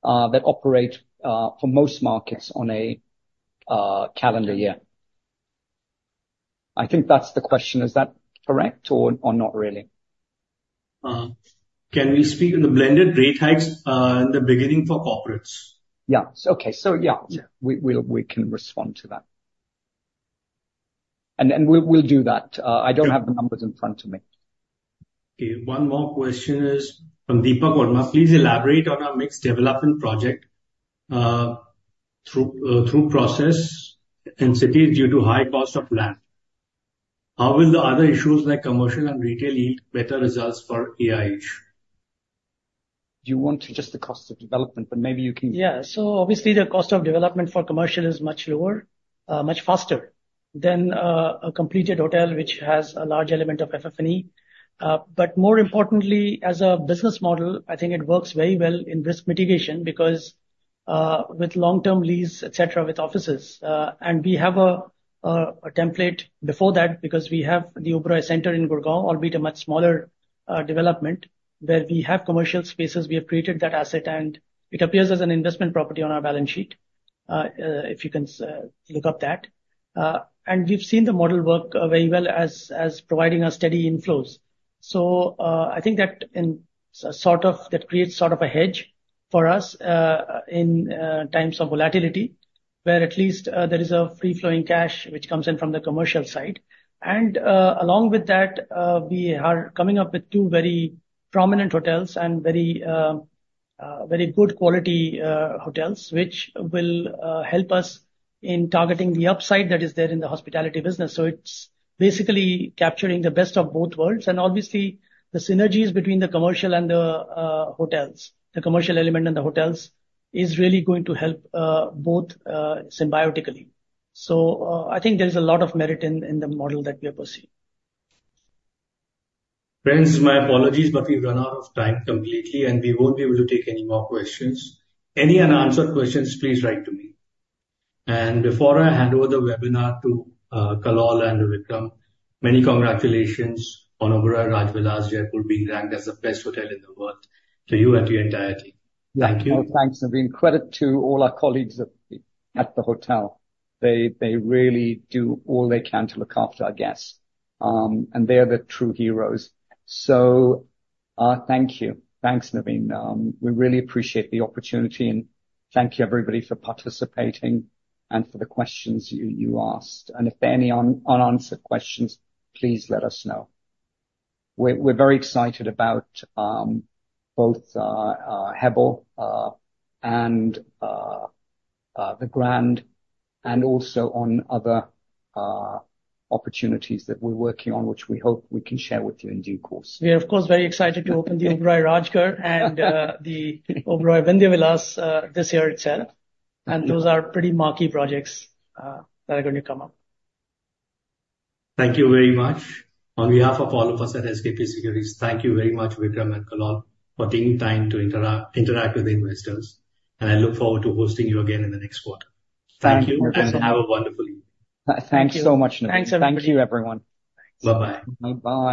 that operate for most markets on a calendar year? I think that's the question. Is that correct or not really? Can we speak on the blended rate hikes in the beginning for corporates? Yeah. Okay, so yeah. Yeah. We'll respond to that. And we'll do that. Yeah. I don't have the numbers in front of me. Okay. One more question is from Deepak Verma: Please elaborate on our mixed development project, through process and city due to high cost of land. How will the other issues like commercial and retail yield better results for EIH? Do you want just the cost of development, but maybe you can- Yeah. So obviously the cost of development for commercial is much lower, much faster than a completed hotel, which has a large element of FF&E. But more importantly, as a business model, I think it works very well in risk mitigation because with long-term lease, et cetera, with offices. And we have a template before that because we have the Oberoi Center in Gurgaon, albeit a much smaller development, where we have commercial spaces. We have created that asset, and it appears as an investment property on our balance sheet, if you can look up that. And we've seen the model work very well as providing us steady inflows. So, I think that in, sort of, that creates sort of a hedge for us, in, times of volatility, where at least, there is a free-flowing cash which comes in from the commercial side. And, along with that, we are coming up with two very prominent hotels and very, very good quality, hotels, which will, help us in targeting the upside that is there in the hospitality business. So it's basically capturing the best of both worlds. And obviously, the synergies between the commercial and the, hotels, the commercial element and the hotels, is really going to help, both, symbiotically. So, I think there is a lot of merit in the model that we are pursuing. Friends, my apologies, but we've run out of time completely, and we won't be able to take any more questions. Any unanswered questions, please write to me. And before I hand over the webinar to Kallol and Vikram, many congratulations on Oberoi Rajvilas Jaipur being ranked as the best hotel in the world for you and your entire team. Thank you. Yeah. Oh, thanks, Naveen. Credit to all our colleagues at the hotel. They really do all they can to look after our guests. And they are the true heroes. So, thank you. Thanks, Naveen. We really appreciate the opportunity, and thank you, everybody, for participating and for the questions you asked. And if there are any unanswered questions, please let us know. We're very excited about both Hebbal and The Grand, and also on other opportunities that we're working on, which we hope we can share with you in due course. We are, of course, very excited to open the Oberoi Rajgarh and the Oberoi Bandhavgarh this year itself. Thank you. And those are pretty marquee projects that are going to come up. Thank you very much. On behalf of all of us at SKP Securities, thank you very much, Vikram and Kallol, for taking time to interact with the investors. I look forward to hosting you again in the next quarter. Thank you. Thank you, and have a wonderful evening. Thanks so much, Naveen. Thanks, everybody. Thank you, everyone. Bye-bye. Bye-bye.